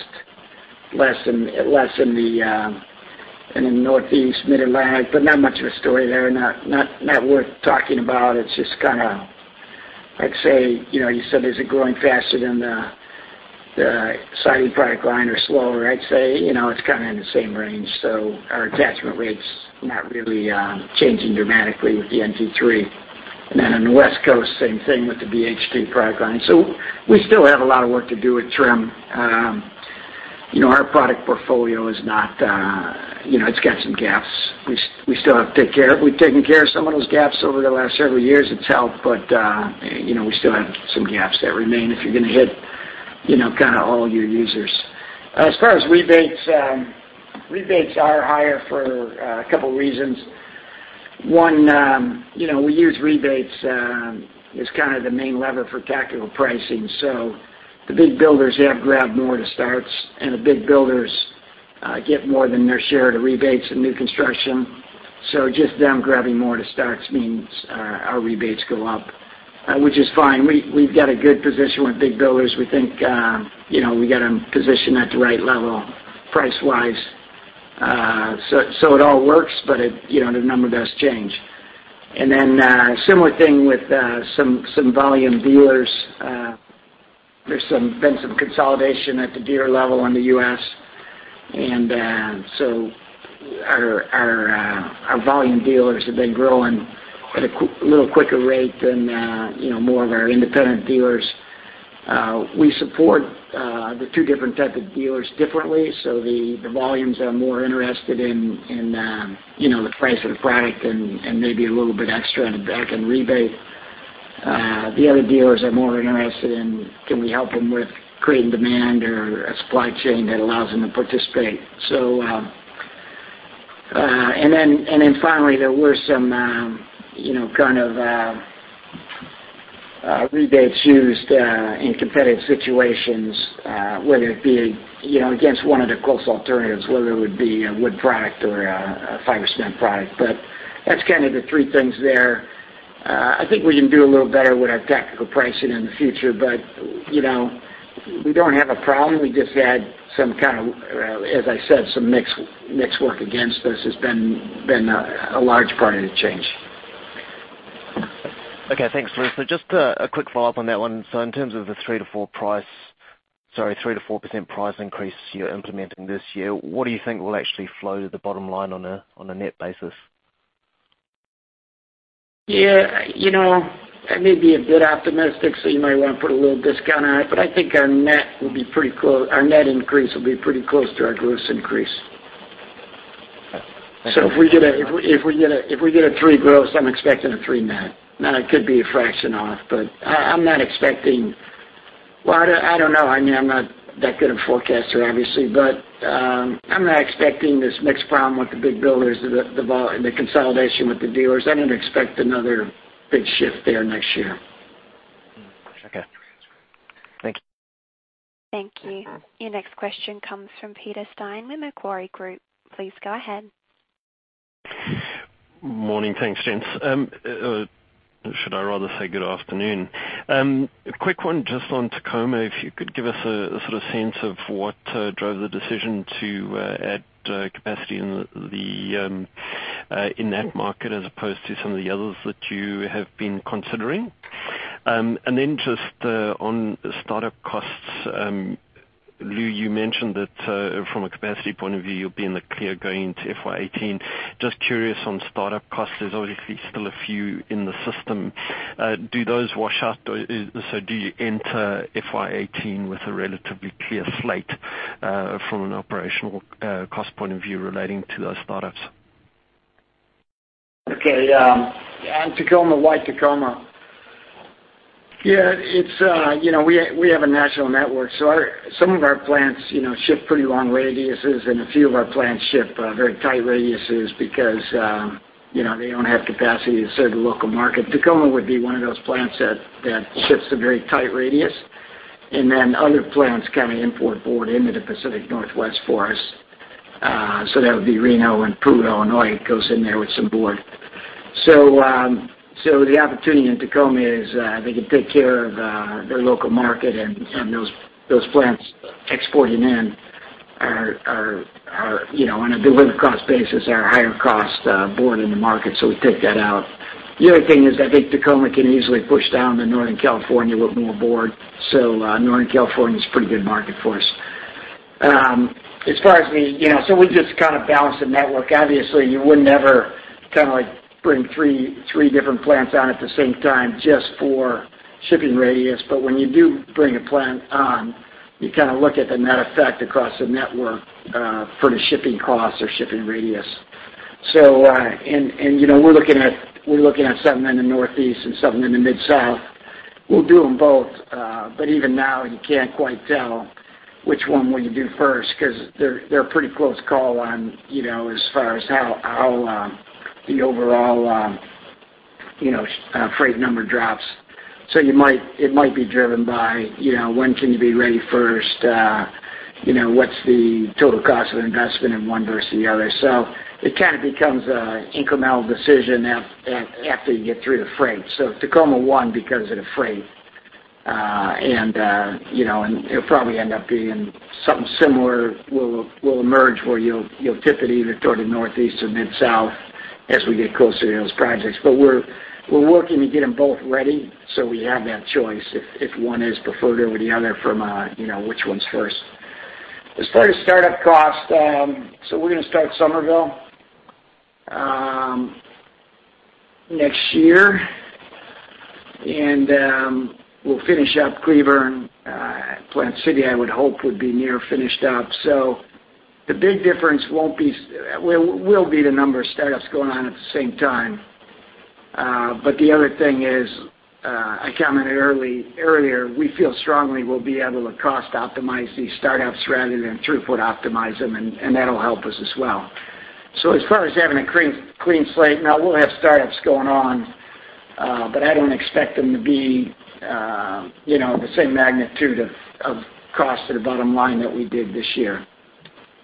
less in the Northeast, Mid-Atlantic, but not much of a story there. Not worth talking about. It's just kind of, I'd say, you know, you said, is it growing faster than the siding product line or slower? I'd say, you know, it's kind of in the same range. So our attachment rates not really changing dramatically with the NT3. And then on the West Coast, same thing with the BHT product line. So we still have a lot of work to do with trim. You know, our product portfolio is not, you know, it's got some gaps. We still have to take care of. We've taken care of some of those gaps over the last several years, it's helped, but, you know, we still have some gaps that remain if you're gonna hit, you know, kind of all your users. As far as rebates, rebates are higher for a couple reasons. One, you know, we use rebates as kind of the main lever for tactical pricing. So the big builders have grabbed more of the starts, and the big builders get more than their share of rebates in new construction. So just them grabbing more of the starts means our rebates go up, which is fine. We've got a good position with big builders. We think, you know, we got them positioned at the right level, price-wise. So it all works, but it, you know, the number does change. And then, similar thing with some volume dealers. There's been some consolidation at the dealer level in the U.S., and so our volume dealers have been growing at a little quicker rate than, you know, more of our independent dealers. We support the two different types of dealers differently. So the volumes are more interested in you know, the price of the product and maybe a little bit extra back in rebate. The other dealers are more interested in, can we help them with creating demand or a supply chain that allows them to participate? So and then finally, there were some you know, kind of rebates used in competitive situations, whether it be you know, against one of the close alternatives, whether it would be a wood product or a fiber cement product. But that's kind of the three things there. I think we can do a little better with our tactical pricing in the future, but you know, we don't have a problem. We just had some kind of, as I said, some mix work against us has been a large part of the change. Okay, thanks, Lou. So just a quick follow-up on that one. So in terms of the 3-4% price, sorry, 3-4% price increase you're implementing this year, what do you think will actually flow to the bottom line on a net basis? That may be a bit optimistic, so you might want to put a little discount on it, but I think our net will be pretty close, our net increase will be pretty close to our gross increase. Okay. So if we get a three gross, I'm expecting a three net. Now, it could be a fraction off, but I'm not expecting... Well, I don't know. I mean, I'm not that good a forecaster, obviously, but I'm not expecting this mix problem with the big builders, the consolidation with the dealers. I don't expect another big shift there next year. Okay. Thank you. Thank you. Your next question comes from Peter Steyn with Macquarie Group. Please go ahead.... Morning. Thanks, gents. Should I rather say good afternoon? A quick one just on Tacoma, if you could give us a sense of what drove the decision to add capacity in that market as opposed to some of the others that you have been considering? And then just on startup costs, Lou, you mentioned that from a capacity point of view, you'll be in the clear going into FY 2018. Just curious on startup costs, there's obviously still a few in the system. Do those wash out? Or so do you enter FY 2018 with a relatively clear slate from an operational cost point of view relating to those startups? Okay, on Tacoma, why Tacoma? We have a national network, so some of our plants, you know, ship pretty long radiuses, and a few of our plants ship very tight radiuses because, you know, they don't have capacity to serve the local market. Tacoma would be one of those plants that ships a very tight radius, and then other plants kind of import board into the Pacific Northwest for us. So that would be Reno and Peru, Illinois, goes in there with some board. So the opportunity in Tacoma is they can take care of their local market, and those plants exporting in are, you know, on a delivered cost basis, are higher cost board in the market, so we take that out. The other thing is, I think Tacoma can easily push down to Northern California with more board, so Northern California is a pretty good market for us. As far as the, you know, so we just kind of balance the network. Obviously, you would never kind of like bring three different plants on at the same time just for shipping radius, but when you do bring a plant on, you kind of look at the net effect across the network for the shipping costs or shipping radius. So, you know, we're looking at something in the Northeast and something in the Mid-South. We'll do them both, but even now, you can't quite tell which one will you do first, 'cause they're a pretty close call on, you know, as far as how the overall, you know, freight number drops. So it might be driven by, you know, when can you be ready first? You know, what's the total cost of investment in one versus the other? So it kind of becomes an incremental decision after you get through the freight. So Tacoma won because of the freight. And you know, it'll probably end up being something similar will emerge where you'll tip it either toward the Northeast or Mid-South as we get closer to those projects. But we're working to get them both ready, so we have that choice if one is preferred over the other from a, you know, which one's first. As far as startup cost, so we're gonna start Summerville next year. And we'll finish up Cleburne, Plant City. I would hope would be near finished up. So the big difference won't be. Will be the number of startups going on at the same time. But the other thing is, I commented earlier, we feel strongly we'll be able to cost optimize these startups rather than throughput optimize them, and that'll help us as well. So as far as having a clean, clean slate, no, we'll have startups going on, but I don't expect them to be, you know, the same magnitude of cost to the bottom line that we did this year.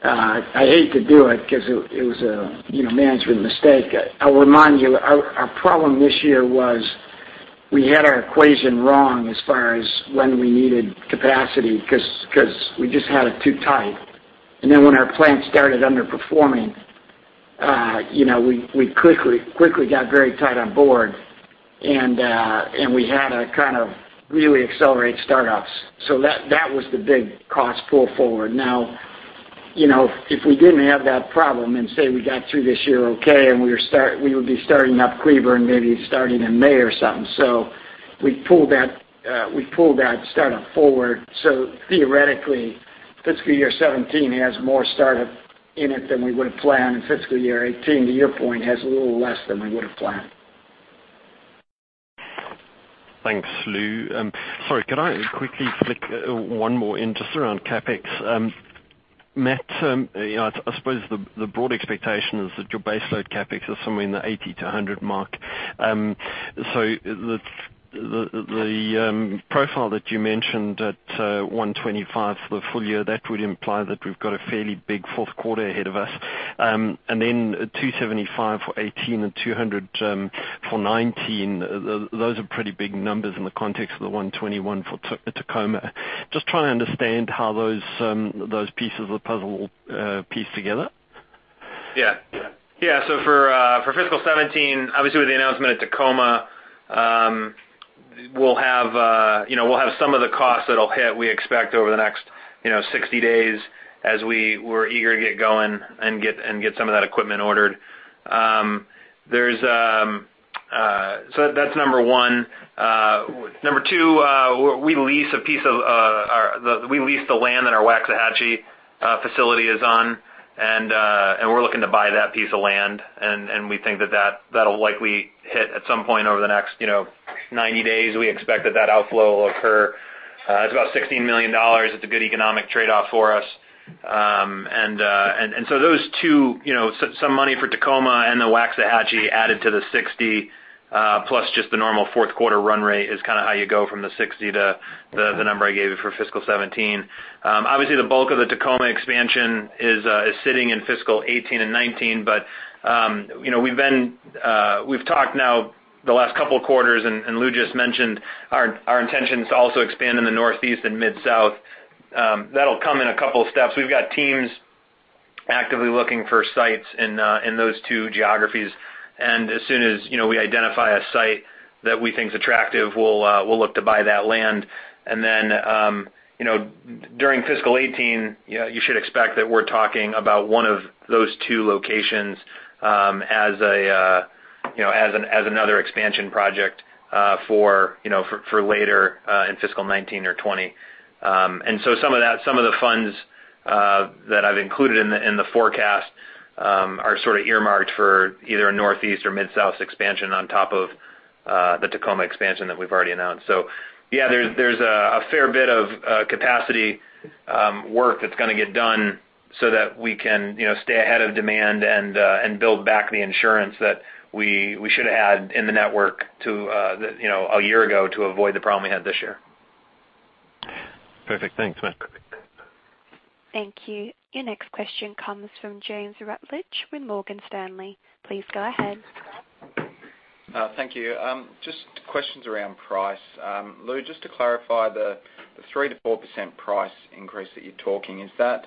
I hate to do it, 'cause it was a, you know, management mistake. I'll remind you, our problem this year was we had our equation wrong as far as when we needed capacity, 'cause we just had it too tight. And then when our plants started underperforming, you know, we quickly got very tight on board, and we had to kind of really accelerate startups. So that was the big cost pull forward. Now, you know, if we didn't have that problem, and say we got through this year okay, and we would be starting up Cleburne, maybe starting in May or something. So we pulled that startup forward, so theoretically, fiscal year 2017 has more startup in it than we would've planned, and fiscal year 2018, to your point, has a little less than we would've planned. Thanks, Lou. Sorry, could I quickly flick one more in, just around CapEx? Matt, you know, I suppose the broad expectation is that your base load CapEx is somewhere in the $80-$100 mark. So the profile that you mentioned at $125 for the full year, that would imply that we've got a fairly big Q4 ahead of us. And then $275 for 2018 and $200 for 2019, those are pretty big numbers in the context of the $121 for Tacoma. Just trying to understand how those pieces of the puzzle piece together. So for fiscal 2017, obviously, with the announcement at Tacoma, we'll have, you know, we'll have some of the costs that'll hit, we expect, over the next, you know, 60 days as we're eager to get going and get some of that equipment ordered. So that's number one. Number two, we lease a piece of our land that our Waxahachie facility is on, and we're looking to buy that piece of land, and we think that that'll likely hit at some point over the next, you know, 90 days. We expect that that outflow will occur. It's about $16 million. It's a good economic trade-off for us. And so those two, you know, some money for Tacoma and the Waxahachie added to the 60- plus just the normal Q4 run rate is kind of how you go from the 60 to the number I gave you for fiscal 2017. Obviously, the bulk of the Tacoma expansion is sitting in fiscal 2018 and 2019, but you know, we've talked now the last couple of quarters, and Lou just mentioned our intentions to also expand in the Northeast and Mid-South. That'll come in a couple of steps. We've got teams actively looking for sites in those two geographies, and as soon as, you know, we identify a site that we think is attractive, we'll look to buy that land. And then, you know, during fiscal eighteen, you should expect that we're talking about one of those two locations as another expansion project for later in fiscal nineteen or twenty. And so some of that, some of the funds that I've included in the forecast are earmarked for either a Northeast or Mid-South expansion on top of the Tacoma expansion that we've already announced. So there's a fair bit of capacity work that's gonna get done so that we can, you know, stay ahead of demand and build back the insurance that we should have had in the network to a year ago to avoid the problem we had this year. Perfect. Thanks, Matt. Thank you. Your next question comes from James Rutledge with Morgan Stanley. Please go ahead. Thank you. Just questions around price. Lou, just to clarify the 3%-4% price increase that you're talking, is that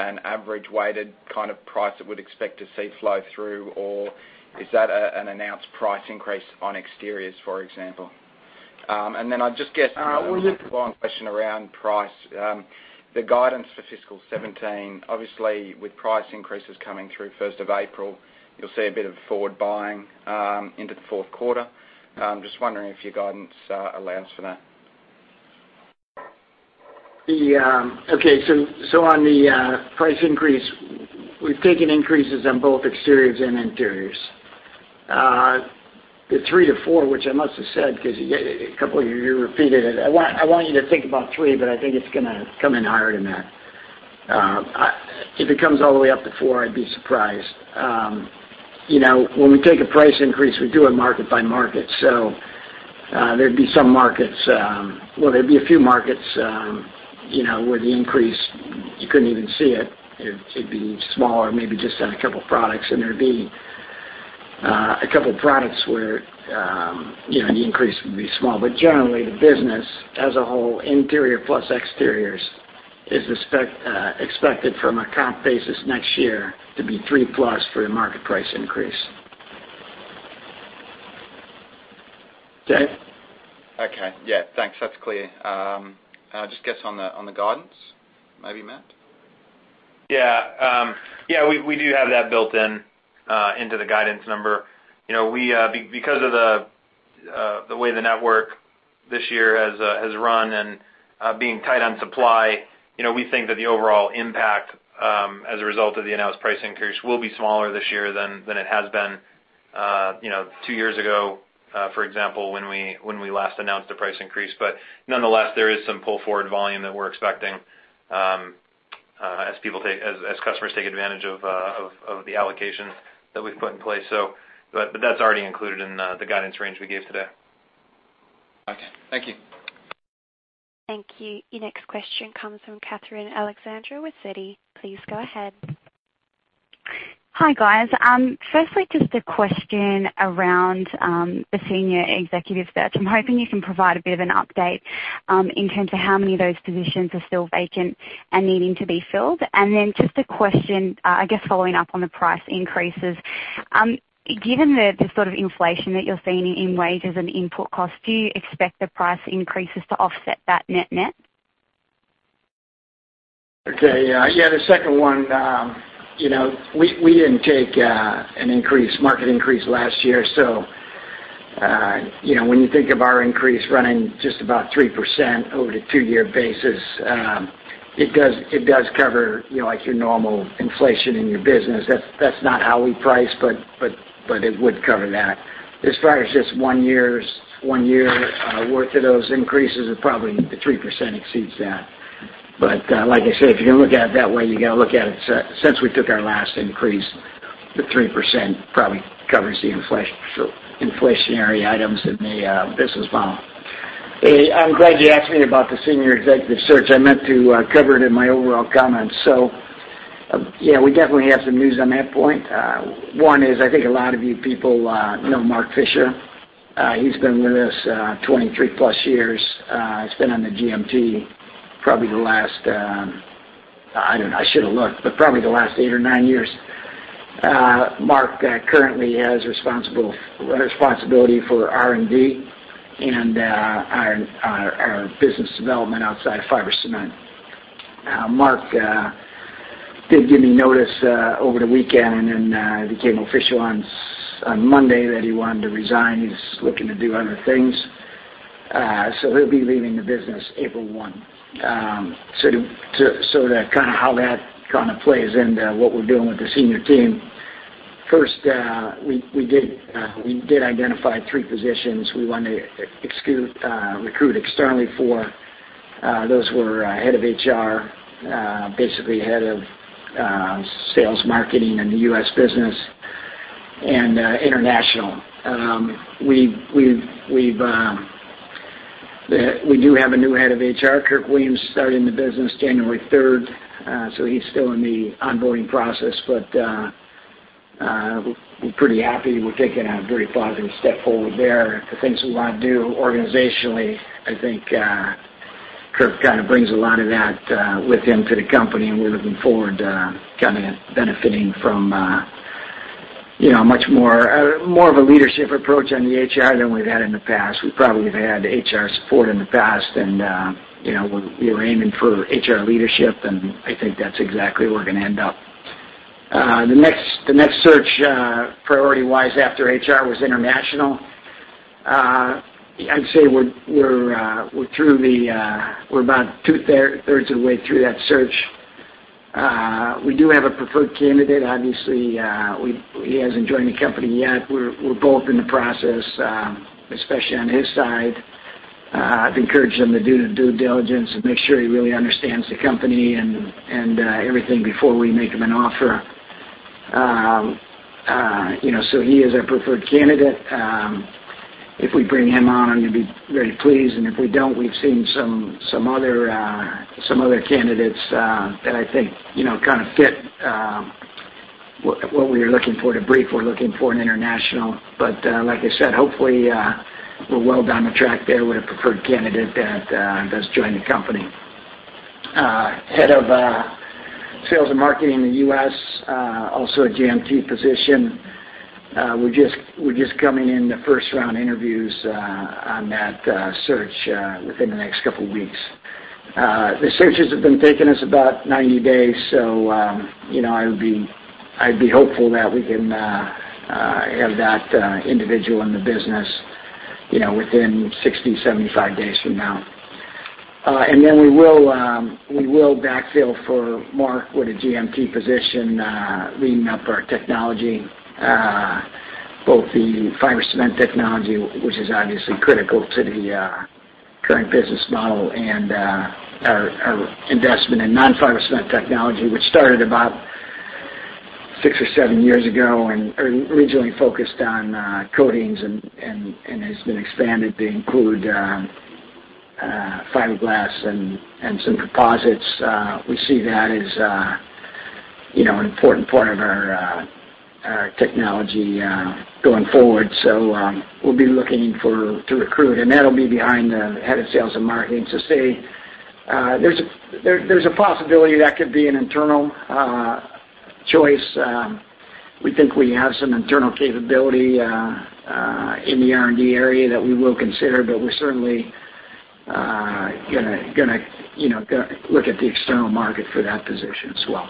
an average weighted kind of price that we'd expect to see flow through, or is that an announced price increase on exteriors, for example? And then I'd just guess- Uh, we- One question around price. The guidance for fiscal seventeen, obviously, with price increases coming through first of April, you'll see a bit of forward buying into the Q4. Just wondering if your guidance allows for that. Okay, so on the price increase, we've taken increases on both exteriors and interiors. The three to four, which I must have said, 'cause you, a couple of you repeated it. I want you to think about three, but I think it's gonna come in higher than that. If it comes all the way up to four, I'd be surprised. You know, when we take a price increase, we do it market by market. So, there'd be some markets, well, there'd be a few markets, you know, where the increase, you couldn't even see it. It'd be smaller, maybe just on a couple of products, and there'd be a couple of products where, you know, the increase would be small. But generally, the business as a whole, interior plus exteriors, is expected from a comp basis next year to be three plus for the market price increase. James? Okay, thanks. That's clear. I just guess on the guidance, maybe, Matt? We do have that built in into the guidance number. You know, we, because of the way the network this year has run and being tight on supply, you know, we think that the overall impact as a result of the announced price increase will be smaller this year than it has been, you know, two years ago, for example, when we last announced the price increase. But nonetheless, there is some pull-forward volume that we're expecting as customers take advantage of the allocations that we've put in place. So, but that's already included in the guidance range we gave today. Okay. Thank you. Thank you. Your next question comes from Catherine Alexandra with Citi. Please go ahead. Hi, guys. Firstly, just a question around the senior executive search. I'm hoping you can provide a bit of an update in terms of how many of those positions are still vacant and needing to be filled. And then just a question, I guess, following up on the price increases. Given the inflation that you're seeing in wages and input costs, do you expect the price increases to offset that net net? The second one, you know, we didn't take an increase, market increase last year, so, you know, when you think of our increase running just about 3% over the two-year basis, it does cover, you know, like your normal inflation in your business. That's not how we price, but it would cover that. As far as just one year's worth of those increases, it probably the 3% exceeds that. But, like I said, if you're gonna look at it that way, you gotta look at it since we took our last increase, the 3% probably covers the inflation, inflationary items in the business model. I'm glad you asked me about the senior executive search. I meant to cover it in my overall comments. So we definitely have some news on that point. One is, I think a lot of you people know Mark Fisher. He's been with us twenty-three plus years, has been on the GMT, probably the last, I don't know, I should have looked, but probably the last eight or nine years. Mark currently has responsibility for R&D and our business development outside of Fiber Cement. Mark did give me notice over the weekend, and it became official on Monday that he wanted to resign. He's looking to do other things. So he'll be leaving the business April one. So that kind of plays into what we're doing with the senior team. First, we did identify three positions we want to recruit externally for. Those were head of HR, basically head of sales marketing in the U.S. business and international. We do have a new head of HR, Kirk Williams, starting the business January 3rd. So he's still in the onboarding process, but we're pretty happy. We're taking a very positive step forward there. The things we wanna do organizationally, I think, Kirk kind of brings a lot of that with him to the company, and we're looking forward to kind of benefiting from you know, much more of a leadership approach on the HR than we've had in the past. We probably have had HR support in the past, and, you know, we were aiming for HR leadership, and I think that's exactly where we're gonna end up. The next search, priority-wise after HR was international. I'd say we're through the, we're about two-thirds of the way through that search. We do have a preferred candidate. Obviously, we- he hasn't joined the company yet. We're both in the process, especially on his side. I've encouraged him to do the due diligence and make sure he really understands the company and, everything before we make him an offer. You know, so he is our preferred candidate. If we bring him on, I'm gonna be very pleased, and if we don't, we've seen some other candidates that I think, you know, kind of fit what we are looking for. To be brief, we're looking for in international. But like I said, hopefully, we're well down the track there with a preferred candidate that does join the company. Head of sales and marketing in the US, also a GMT position. We're just coming in the first round interviews on that search within the next couple weeks. The searches have been taking us about 90 days, so you know, I would be. I'd be hopeful that we can have that individual in the business, you know, within 60, 75 days from now. And then we will backfill for Mark with a GMT position leading our technology, both the fiber cement technology, which is obviously critical to the current business model, and our investment in non-fiber cement technology, which started about six or seven years ago and originally focused on coatings and has been expanded to include fiberglass and some composites. We see that as, you know, an important part of our technology going forward. We'll be looking to recruit, and that'll be behind the head of sales and marketing. So, say, there's a possibility that could be an internal choice. We think we have some internal capability in the R&D area that we will consider, but we're certainly gonna, you know, look at the external market for that position as well.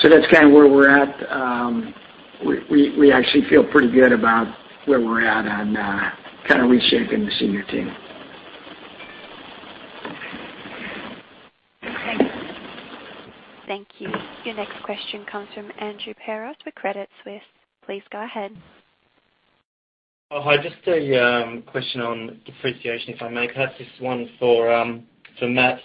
So that's kind of where we're at. We actually feel pretty good about where we're at on kind of reshaping the senior team. Okay. Thank you. Your next question comes from Andrew Peros with Credit Suisse. Please go ahead. Oh, hi. Just a question on depreciation, if I may. Perhaps this one for Matt.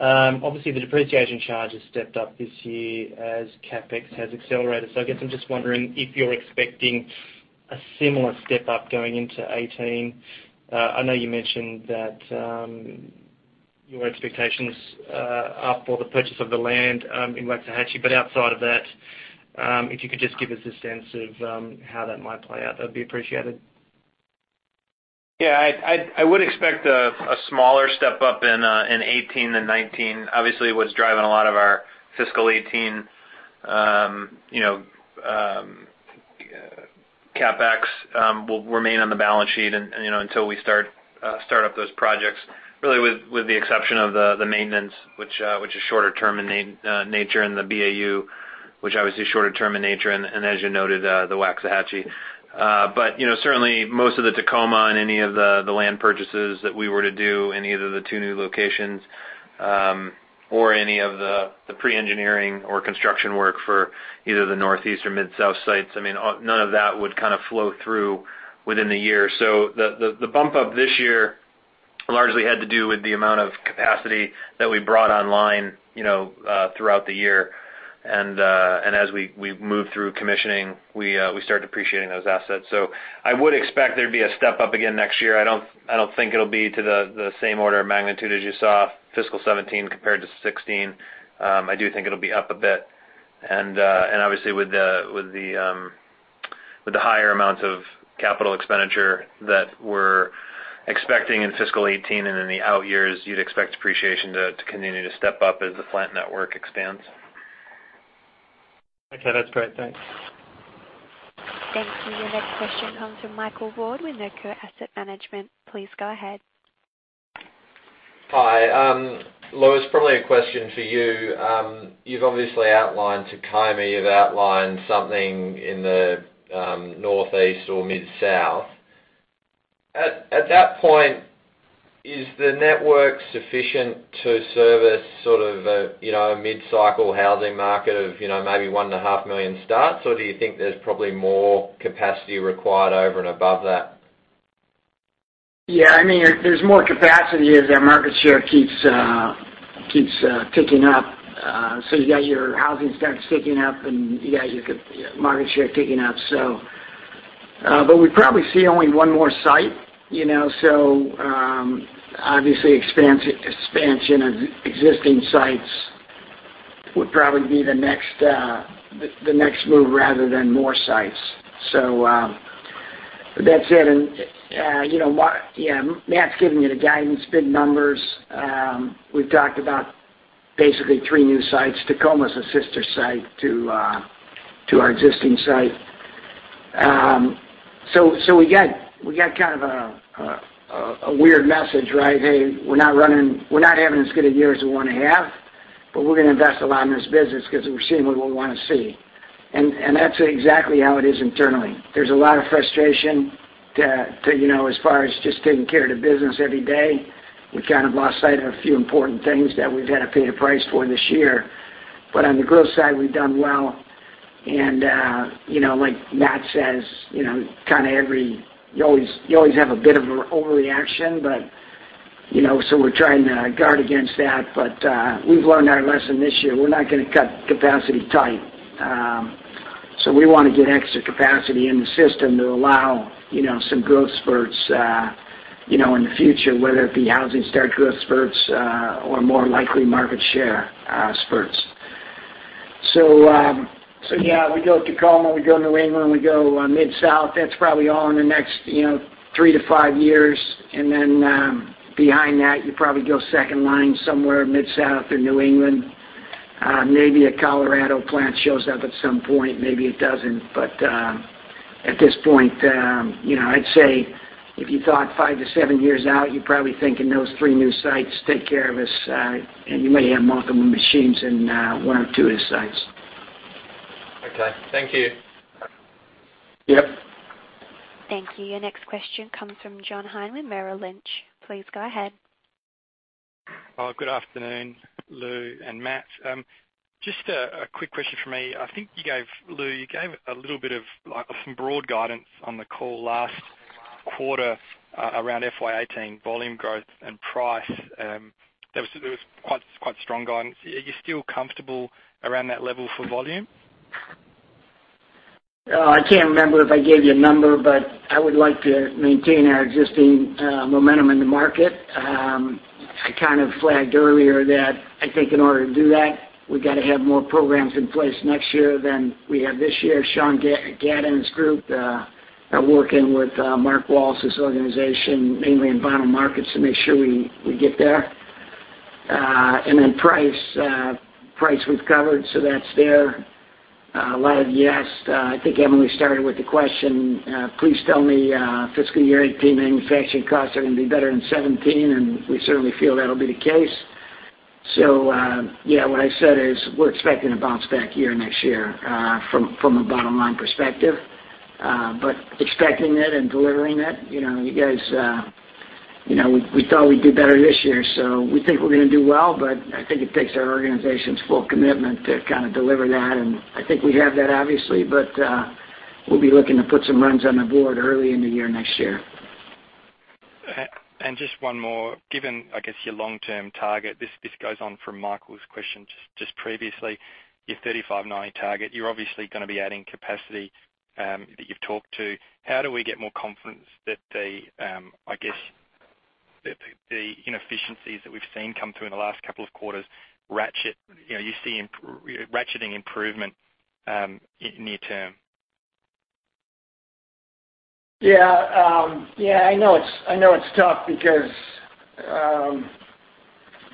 Obviously, the depreciation charge has stepped up this year as CapEx has accelerated. So I guess I'm just wondering if you're expecting a similar step-up going into 2018. I know you mentioned that your expectations are for the purchase of the land in Waxahachie. But outside of that, if you could just give us a sense of how that might play out, that'd be appreciated. I'd, I would expect a smaller step-up in 2018 than 2019. Obviously, what's driving a lot of our fiscal 2018, you know, CapEx, will remain on the balance sheet and, you know, until we start up those projects, really with the exception of the maintenance, which is shorter term in nature and the BAU, which obviously is shorter term in nature and, as you noted, the Waxahachie. But, you know, certainly most of the Tacoma and any of the land purchases that we were to do in either of the two new locations, or any of the pre-engineering or construction work for either the Northeast or Mid-South sites, I mean, all none of that would kind of flow through within the year. The bump up this year largely had to do with the amount of capacity that we brought online, you know, throughout the year. And as we moved through commissioning, we started appreciating those assets. I would expect there'd be a step-up again next year. I don't think it'll be to the same order of magnitude as you saw fiscal 2017 compared to 2016. I do think it'll be up a bit. And obviously, with the higher amounts of capital expenditure that we're expecting in fiscal 2018 and in the out years, you'd expect depreciation to continue to step up as the plant network expands. Okay, that's great. Thanks. Thank you. Your next question comes from Michael Ward with Northcape Capital. Please go ahead. Hi. Louis, probably a question for you. You've obviously outlined Tacoma, you've outlined something in the Northeast or Mid-South. At that point, is the network sufficient to service a mid-cycle housing market of, you know, maybe one and a half million starts? Or do you think there's probably more capacity required over and above that? I mean, there's more capacity as our market share keeps ticking up. So you got your housing starts ticking up, and you got your good market share ticking up. So, but we probably see only one more site, you know, so obviously, expansion of existing sites would probably be the next, the next move rather than more sites. So, that said, and, you know, what Matt's given you the guidance, big numbers. We've talked about basically three new sites. Tacoma is a sister site to our existing site. So we got kind of a weird message, right? Hey, we're not having as good a year as we want to have, but we're gonna invest a lot in this business because we're seeing what we want to see. And that's exactly how it is internally. There's a lot of frustration that, you know, as far as just taking care of the business every day, we kind of lost sight of a few important things that we've had to pay the price for this year. But on the growth side, we've done well. And, you know, like Matt says, you know, you always have a bit of an overreaction, but, you know, so we're trying to guard against that. But, we've learned our lesson this year. We're not going to cut capacity tight. So we want to get extra capacity in the system to allow, you know, some growth spurts, you know, in the future, whether it be housing start growth spurts, or more likely, market share spurts. So we go Tacoma, we go New England, we go Mid-South. That's probably all in the next, you know, three to five years. And then, behind that, you probably go second line somewhere, Mid-South or New England. Maybe a Colorado plant shows up at some point, maybe it doesn't. But, at this point, you know, I'd say if you thought five to seven years out, you'd probably think in those three new sites, take care of us, and you may have multiple machines in, one or two of the sites. Okay. Thank you. Yep. Thank you. Your next question comes from John Hynd, Merrill Lynch. Please go ahead. Good afternoon, Lou and Matt. Just a quick question from me. I think you gave, Lou, you gave a little bit of, like, some broad guidance on the call last quarter around FY eighteen volume growth and price. That was quite strong guidance. Are you still comfortable around that level for volume? I can't remember if I gave you a number, but I would like to maintain our existing momentum in the market. I kind of flagged earlier that I think in order to do that, we've got to have more programs in place next year than we have this year. Sean Gadd's group are working with Mark Wallace's organization, mainly in bottom markets, to make sure we get there. And then price, price we've covered, so that's there. A lot of you asked, I think Emily started with the question, "Please tell me, fiscal year 2018 manufacturing costs are going to be better than 2017," and we certainly feel that'll be the case. What I said is we're expecting a bounce back year next year, from a bottom line perspective. But expecting it and delivering it, you know, you guys, you know, we thought we'd do better this year, so we think we're gonna do well, but I think it takes our organization's full commitment to kind of deliver that. And I think we have that, obviously, but we'll be looking to put some runs on the board early in the year, next year. And just one more. Given, I guess, your long-term target, this goes on from Michael's question just previously. Your 35/90 target, you're obviously gonna be adding capacity that you've talked to. How do we get more confidence that the, I guess, the inefficiencies that we've seen come through in the last couple of quarters, ratchet, you know, you see ratcheting improvement near term? I know it's, I know it's tough because,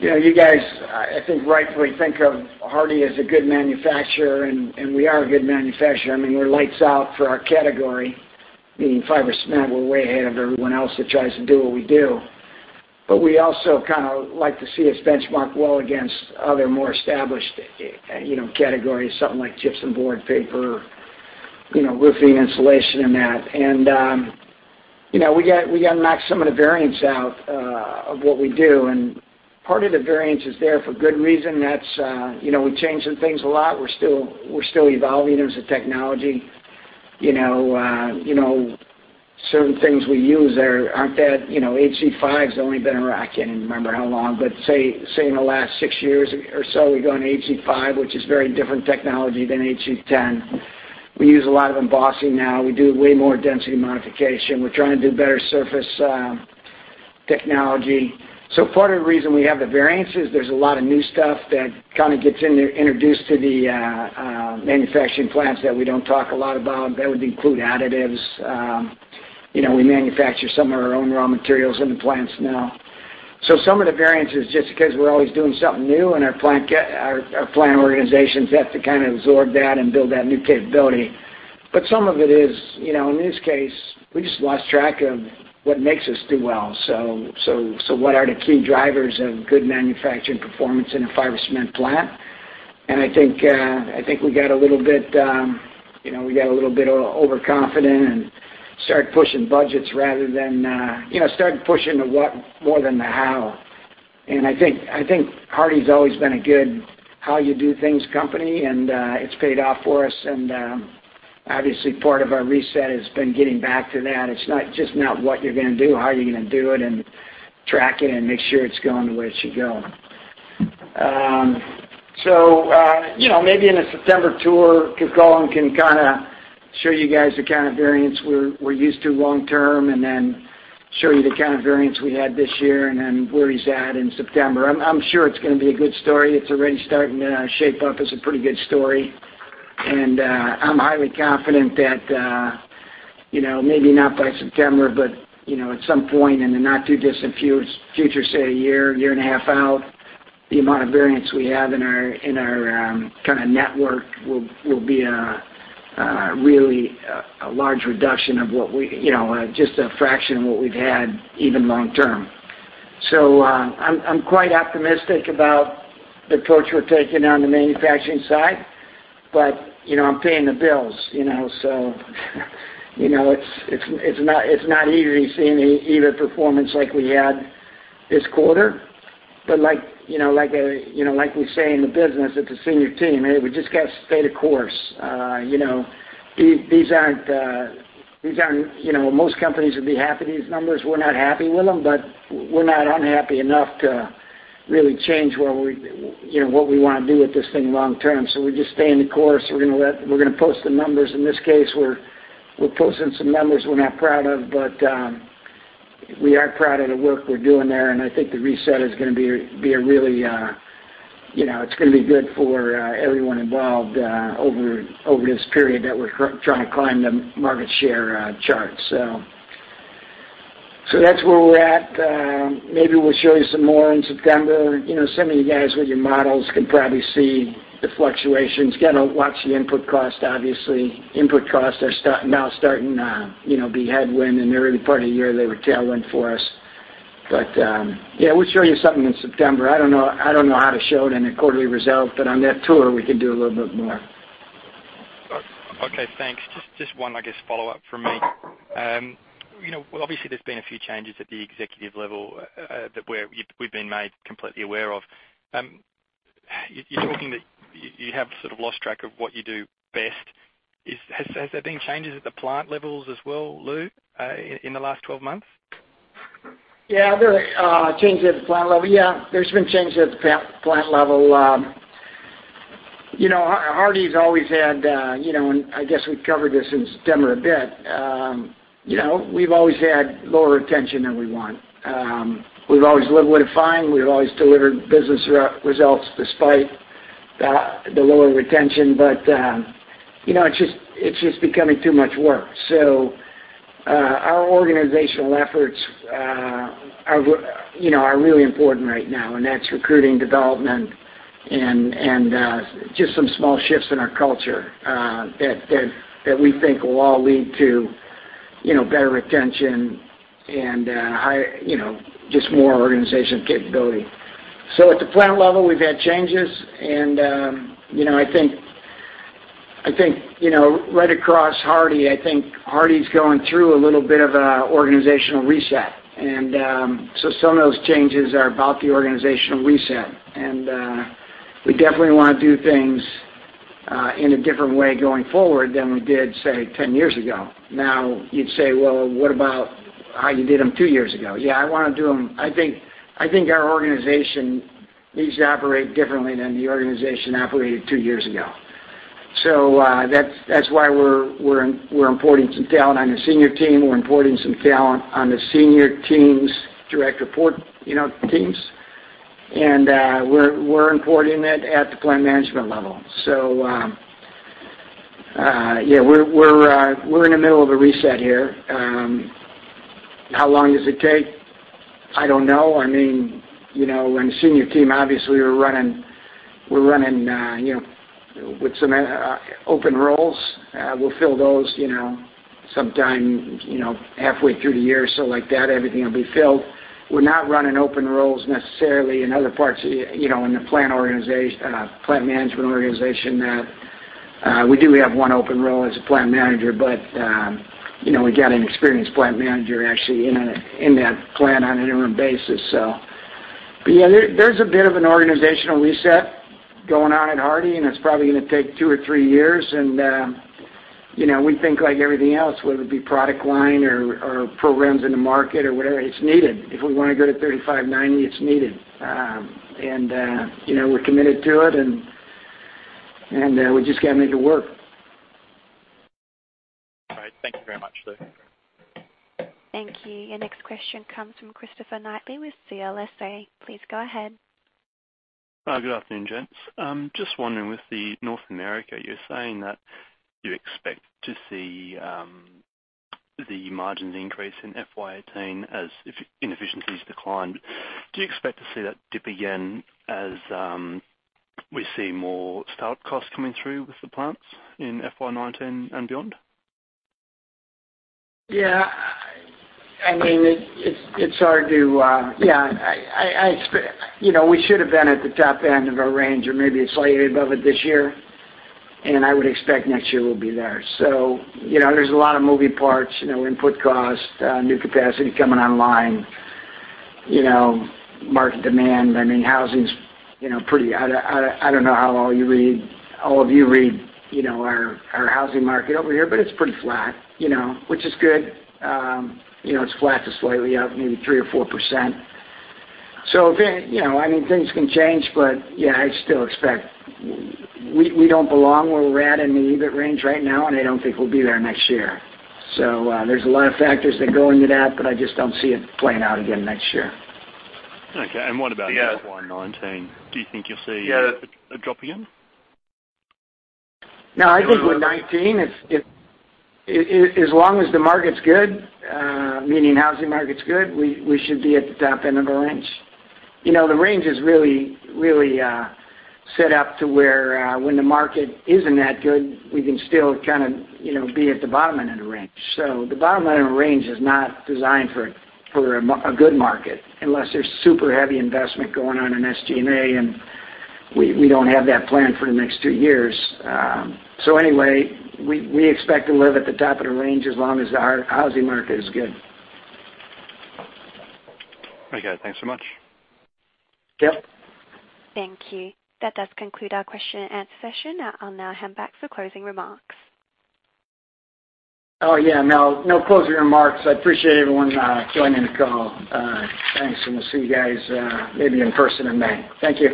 you know, you guys, I think, rightfully think of Hardie as a good manufacturer, and we are a good manufacturer. I mean, we're lights out for our category. Meaning, fiber cement, we're way ahead of everyone else that tries to do what we do. But we also kind of like to see us benchmark well against other more established, you know, categories, something like gypsum board, paper, you know, roofing, insulation, and that. And, you know, we got, we got to knock some of the variance out, of what we do, and part of the variance is there for good reason. That's, you know, we're changing things a lot. We're still, we're still evolving. There's the technology, you know, you know, certain things we use there aren't that, you know, HZ5 has only been around, I can't even remember how long, but say in the last six years or so, we've gone to HZ5, which is very different technology than HZ10. We use a lot of embossing now. We do way more density modification. We're trying to do better surface technology. So part of the reason we have the variance is there's a lot of new stuff that kind of gets introduced to the manufacturing plants that we don't talk a lot about. That would include additives. You know, we manufacture some of our own raw materials in the plants now. So some of the variance is just because we're always doing something new, and our plant organizations have to kind of absorb that and build that new capability. But some of it is, you know, in this case, we just lost track of what makes us do well. So what are the key drivers of good manufacturing performance in a fiber cement plant? And I think we got a little bit, you know, overconfident and started pushing budgets rather than, you know, started pushing the what more than the how.... And I think Hardie's always been a good how-you-do-things company, and it's paid off for us. And obviously, part of our reset has been getting back to that. It's not just what you're gonna do, how are you gonna do it and track it and make sure it's going the way it should go. So, you know, maybe in a September tour, Colin can kinda show you guys the kind of variance we're used to long term, and then show you the kind of variance we had this year, and then where he's at in September. I'm sure it's gonna be a good story. It's already starting to shape up as a pretty good story. I'm highly confident that, you know, maybe not by September, but, you know, at some point in the not too distant future, say, a year and a half out, the amount of variance we have in our kinda network will be a really large reduction of what we, you know, just a fraction of what we've had even long term. So, I'm quite optimistic about the approach we're taking on the manufacturing side, but, you know, I'm paying the bills, you know. So you know, it's not easy seeing EBIT performance like we had this quarter. But like, you know, like we say in the business as a senior team, "Hey, we just gotta stay the course." You know, these aren't, you know, most companies would be happy with these numbers. We're not happy with them, but we're not unhappy enough to really change where we, you know, what we wanna do with this thing long term. So we're just staying the course. We're gonna post the numbers. In this case, we're posting some numbers we're not proud of, but we are proud of the work we're doing there, and I think the reset is gonna be a really, you know, it's gonna be good for everyone involved, over this period that we're trying to climb the market share charts. So, so that's where we're at. Maybe we'll show you some more in September. You know, some of you guys with your models can probably see the fluctuations. Gonna watch the input cost, obviously. Input costs are starting to, you know, be headwind. In the early part of the year, they were tailwind for us. But we'll show you something in September. I don't know, I don't know how to show it in a quarterly result, but on that tour, we can do a little bit more. Okay, thanks. Just one, I guess, follow-up from me. You know, well, obviously, there's been a few changes at the executive level that we've been made completely aware of. You're talking that you have lost track of what you do best. Has there been changes at the plant levels as well, Lou, in the last twelve months? There are changes at the plant level. There's been changes at the plant level. You know, Hardie's always had, you know, and I guess we've covered this in September a bit. You know, we've always had lower retention than we want. We've always lived with it fine. We've always delivered business results despite the lower retention. But, you know, it's just becoming too much work. So, our organizational efforts, you know, are really important right now, and that's recruiting, development and just some small shifts in our culture, that we think will all lead to, you know, better retention and high, you know, just more organizational capability. So at the plant level, we've had changes, and, you know, I think right across Hardie, I think Hardie's going through a little bit of a organizational reset. And, so some of those changes are about the organizational reset. And, we definitely wanna do things in a different way going forward than we did, say, ten years ago. Now, you'd say, "Well, what about how you did them two years ago?" I wanna do them. I think our organization needs to operate differently than the organization operated two years ago. So, that's why we're importing some talent on the senior team. We're importing some talent on the senior team's direct report, you know, teams. And, we're importing it at the plant management level. We're in the middle of a reset here. How long does it take? I don't know. I mean, you know, when the senior team, obviously, we're running with some open roles. We'll fill those, you know, sometime halfway through the year. So like that, everything will be filled. We're not running open roles necessarily in other parts, you know, in the plant management organization. We do have one open role as a plant manager, but you know, we've got an experienced plant manager actually in that plant on an interim basis, so. But there's a bit of an organizational reset going on at Hardie, and it's probably gonna take two or three years. And, you know, we think like everything else, whether it be product line or programs in the market or whatever, it's needed. If we wanna go to 35/90, it's needed. And, you know, we're committed to it, and we just gotta make it work. All right. Thank you very much, Lou. Thank you. Your next question comes from Chris Knight with CLSA. Please go ahead. Hi, good afternoon, gents. Just wondering, with the North America, you're saying that you expect to see the margins increase in FY 2018 as inefficiencies decline. Do you expect to see that dip again as we see more start costs coming through with the plants in FY 2019 and beyond? I mean, it's hard to. I expect, you know, we should have been at the top end of our range or maybe slightly above it this year, and I would expect next year we'll be there. So, you know, there's a lot of moving parts, you know, input cost, new capacity coming online, you know, market demand. I mean, housing's, you know, pretty flat. I don't know how you all read our housing market over here, but it's pretty flat, you know, which is good. You know, it's flat to slightly up, maybe 3% or 4%. So, again, you know, I mean, things can change, but I still expect... We don't belong where we're at in the EBIT range right now, and I don't think we'll be there next year, so there's a lot of factors that go into that, but I just don't see it playing out again next year. Okay, and what about FY 2019? Do you think you'll see a drop again? No, I think with nineteen, if as long as the market's good, meaning housing market's good, we should be at the top end of the range. You know, the range is really set up to where when the market isn't that good, we can still kind of, you know, be at the bottom end of the range. So the bottom end of the range is not designed for a good market, unless there's super heavy investment going on in SG&A, and we don't have that plan for the next two years. So anyway, we expect to live at the top of the range as long as our housing market is good. Okay, thanks so much. Yep. Thank you. That does conclude our question and answer session. I'll now hand back for closing remarks. No, no closing remarks. I appreciate everyone joining the call. Thanks, and we'll see you guys maybe in person in May. Thank you.